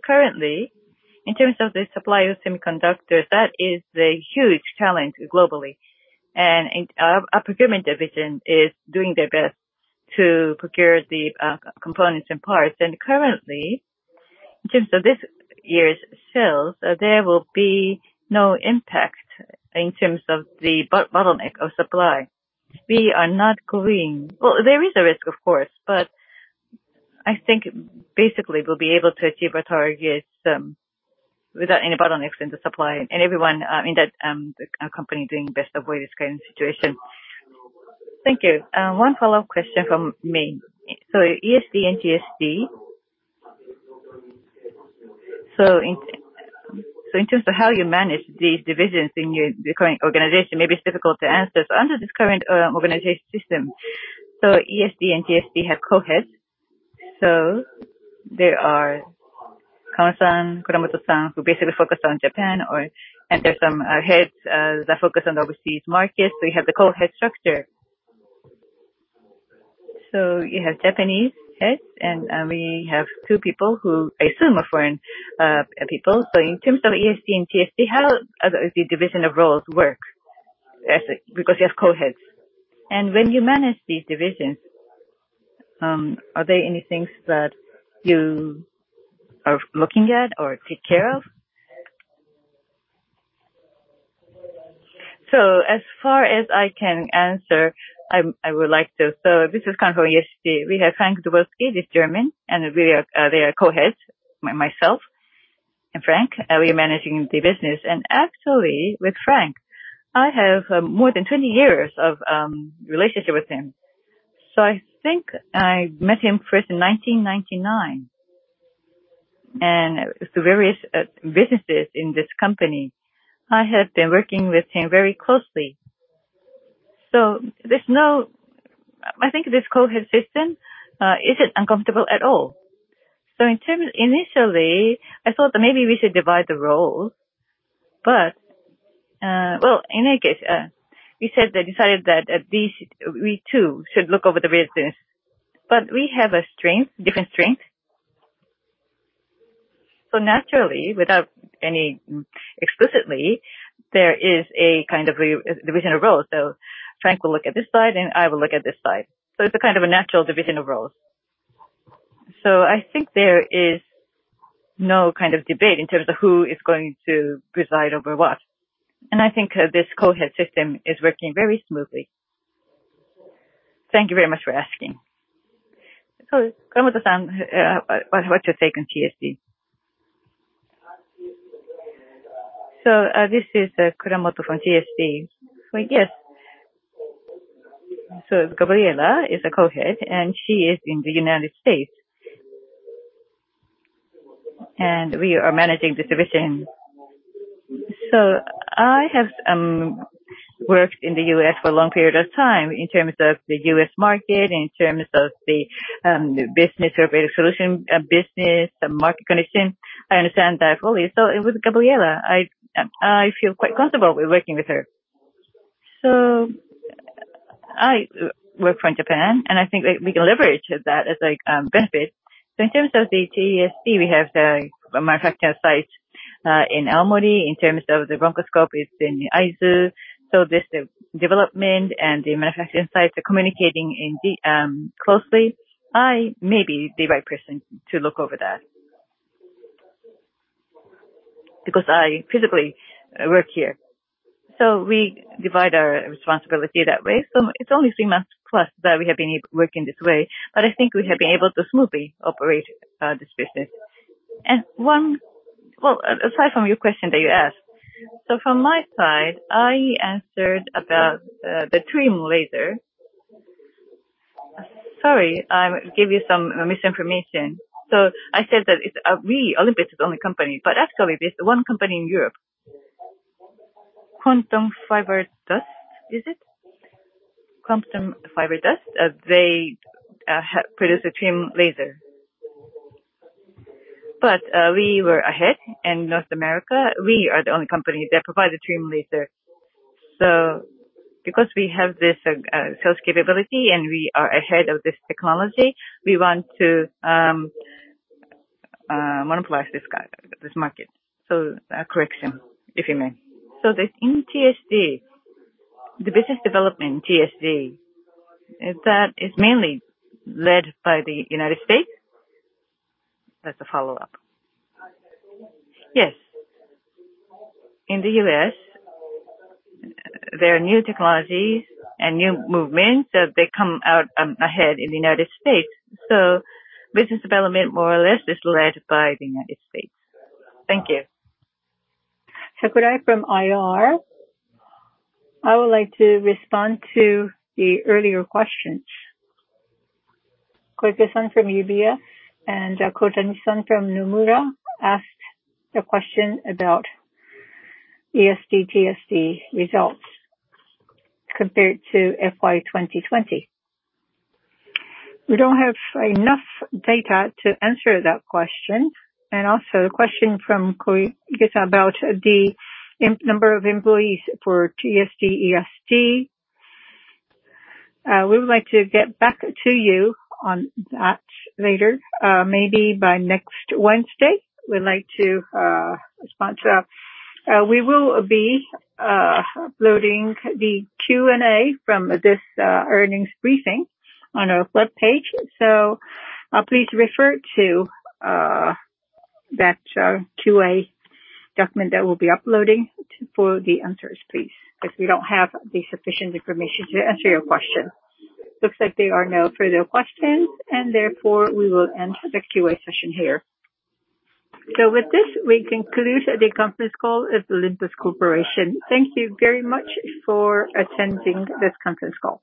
S3: Currently, in terms of the supply of semiconductors, that is a huge challenge globally. Our procurement division is doing their best to procure the components and parts. Currently, in terms of this year's sales, there will be no impact in terms of the bottleneck of supply. Well, there is a risk of course, but I think basically we'll be able to achieve our targets without any bottlenecks in the supply and everyone in that company doing their best to avoid this current situation.
S2: Thank you. One follow-up question from me. ESD and TSD. In terms of how you manage these divisions in your current organization, maybe it's difficult to answer. Under this current organization system, ESD and TSD have co-heads. There are Kawano-san, Kuramoto-san, who basically focus on Japan, and there are some heads that focus on the overseas markets. You have the co-head structure. You have Japanese heads, and we have two people who I assume are foreign people. In terms of ESD and TSD, how does the division of roles work? Because you have co-heads. When you manage these divisions, are there any things that you are looking at or take care of?
S3: As far as I can answer, I would like to. This is Kawano, ESD. We have Frank Drewalowski, he's German, and we are the co-heads, myself and Frank. We are managing the business. Actually, with Frank, I have more than 20 years of relationship with him. I think I met him first in 1999, and through various businesses in this company, I have been working with him very closely. I think this co-head system isn't uncomfortable at all. Initially, I thought that maybe we should divide the roles, but in any case, we decided that we two should look over the business. We have different strengths. Naturally, without any explicitly, there is a division of roles. Frank will look at this side, and I will look at this side. It's a natural division of roles. I think there is no debate in terms of who is going to preside over what. I think this co-head system is working very smoothly. Thank you very much for asking.
S2: Kuramoto-san, what's your take on TSD?
S4: This is Kuramoto from TSD. Yes. Gabriella is a co-head, and she is in the United States. We are managing the division. I have worked in the U.S. for a long period of time in terms of the U.S. market, in terms of the business therapeutic solution, business market condition. I understand that fully. With Gabriella, I feel quite comfortable with working with her. I work from Japan, and I think we can leverage that as a benefit. In terms of the TSD, we have the manufacturing site in Aomori. In terms of the bronchoscope, it's in Aizu. This development and the manufacturing sites are communicating closely. I may be the right person to look over that because I physically work here. We divide our responsibility that way. It's only three months plus that we have been working this way, but I think we have been able to smoothly operate this business. Aside from your question that you asked. From my side, I answered about the Thulium laser. Sorry, I gave you some misinformation. I said that we, Olympus, is the only company, but actually, there's one company in Europe, Quanta System Fiber Dust, is it? Quanta System Fiber Dust, they produce a Thulium laser. We were ahead in North America. We are the only company that provides a Thulium laser. Because we have this sales capability and we are ahead of this technology, we want to monopolize this market. Correction, if you may.
S2: In TSD, the business development in TSD, that is mainly led by the United States? That's a follow-up.
S4: Yes. In the U.S., there are new technologies and new movements that they come out ahead in the United States. Business development, more or less, is led by the United States. Thank you.
S6: Sakurai from IR. I would like to respond to the earlier questions. Koike-san from UBS and Kohtani-san from Nomura asked a question about ESD, TSD results compared to FY 2020. We don't have enough data to answer that question, and also the question from Koike-san about the number of employees for TSD, ESD. We would like to get back to you on that later, maybe by next Wednesday, we'd like to respond to that. We will be uploading the Q&A from this earnings briefing on our webpage. Please refer to that QA document that we'll be uploading for the answers, please, because we don't have the sufficient information to answer your question. Looks like there are no further questions, and therefore, we will end the QA session here. With this, we conclude the conference call of Olympus Corporation. Thank you very much for attending this conference call.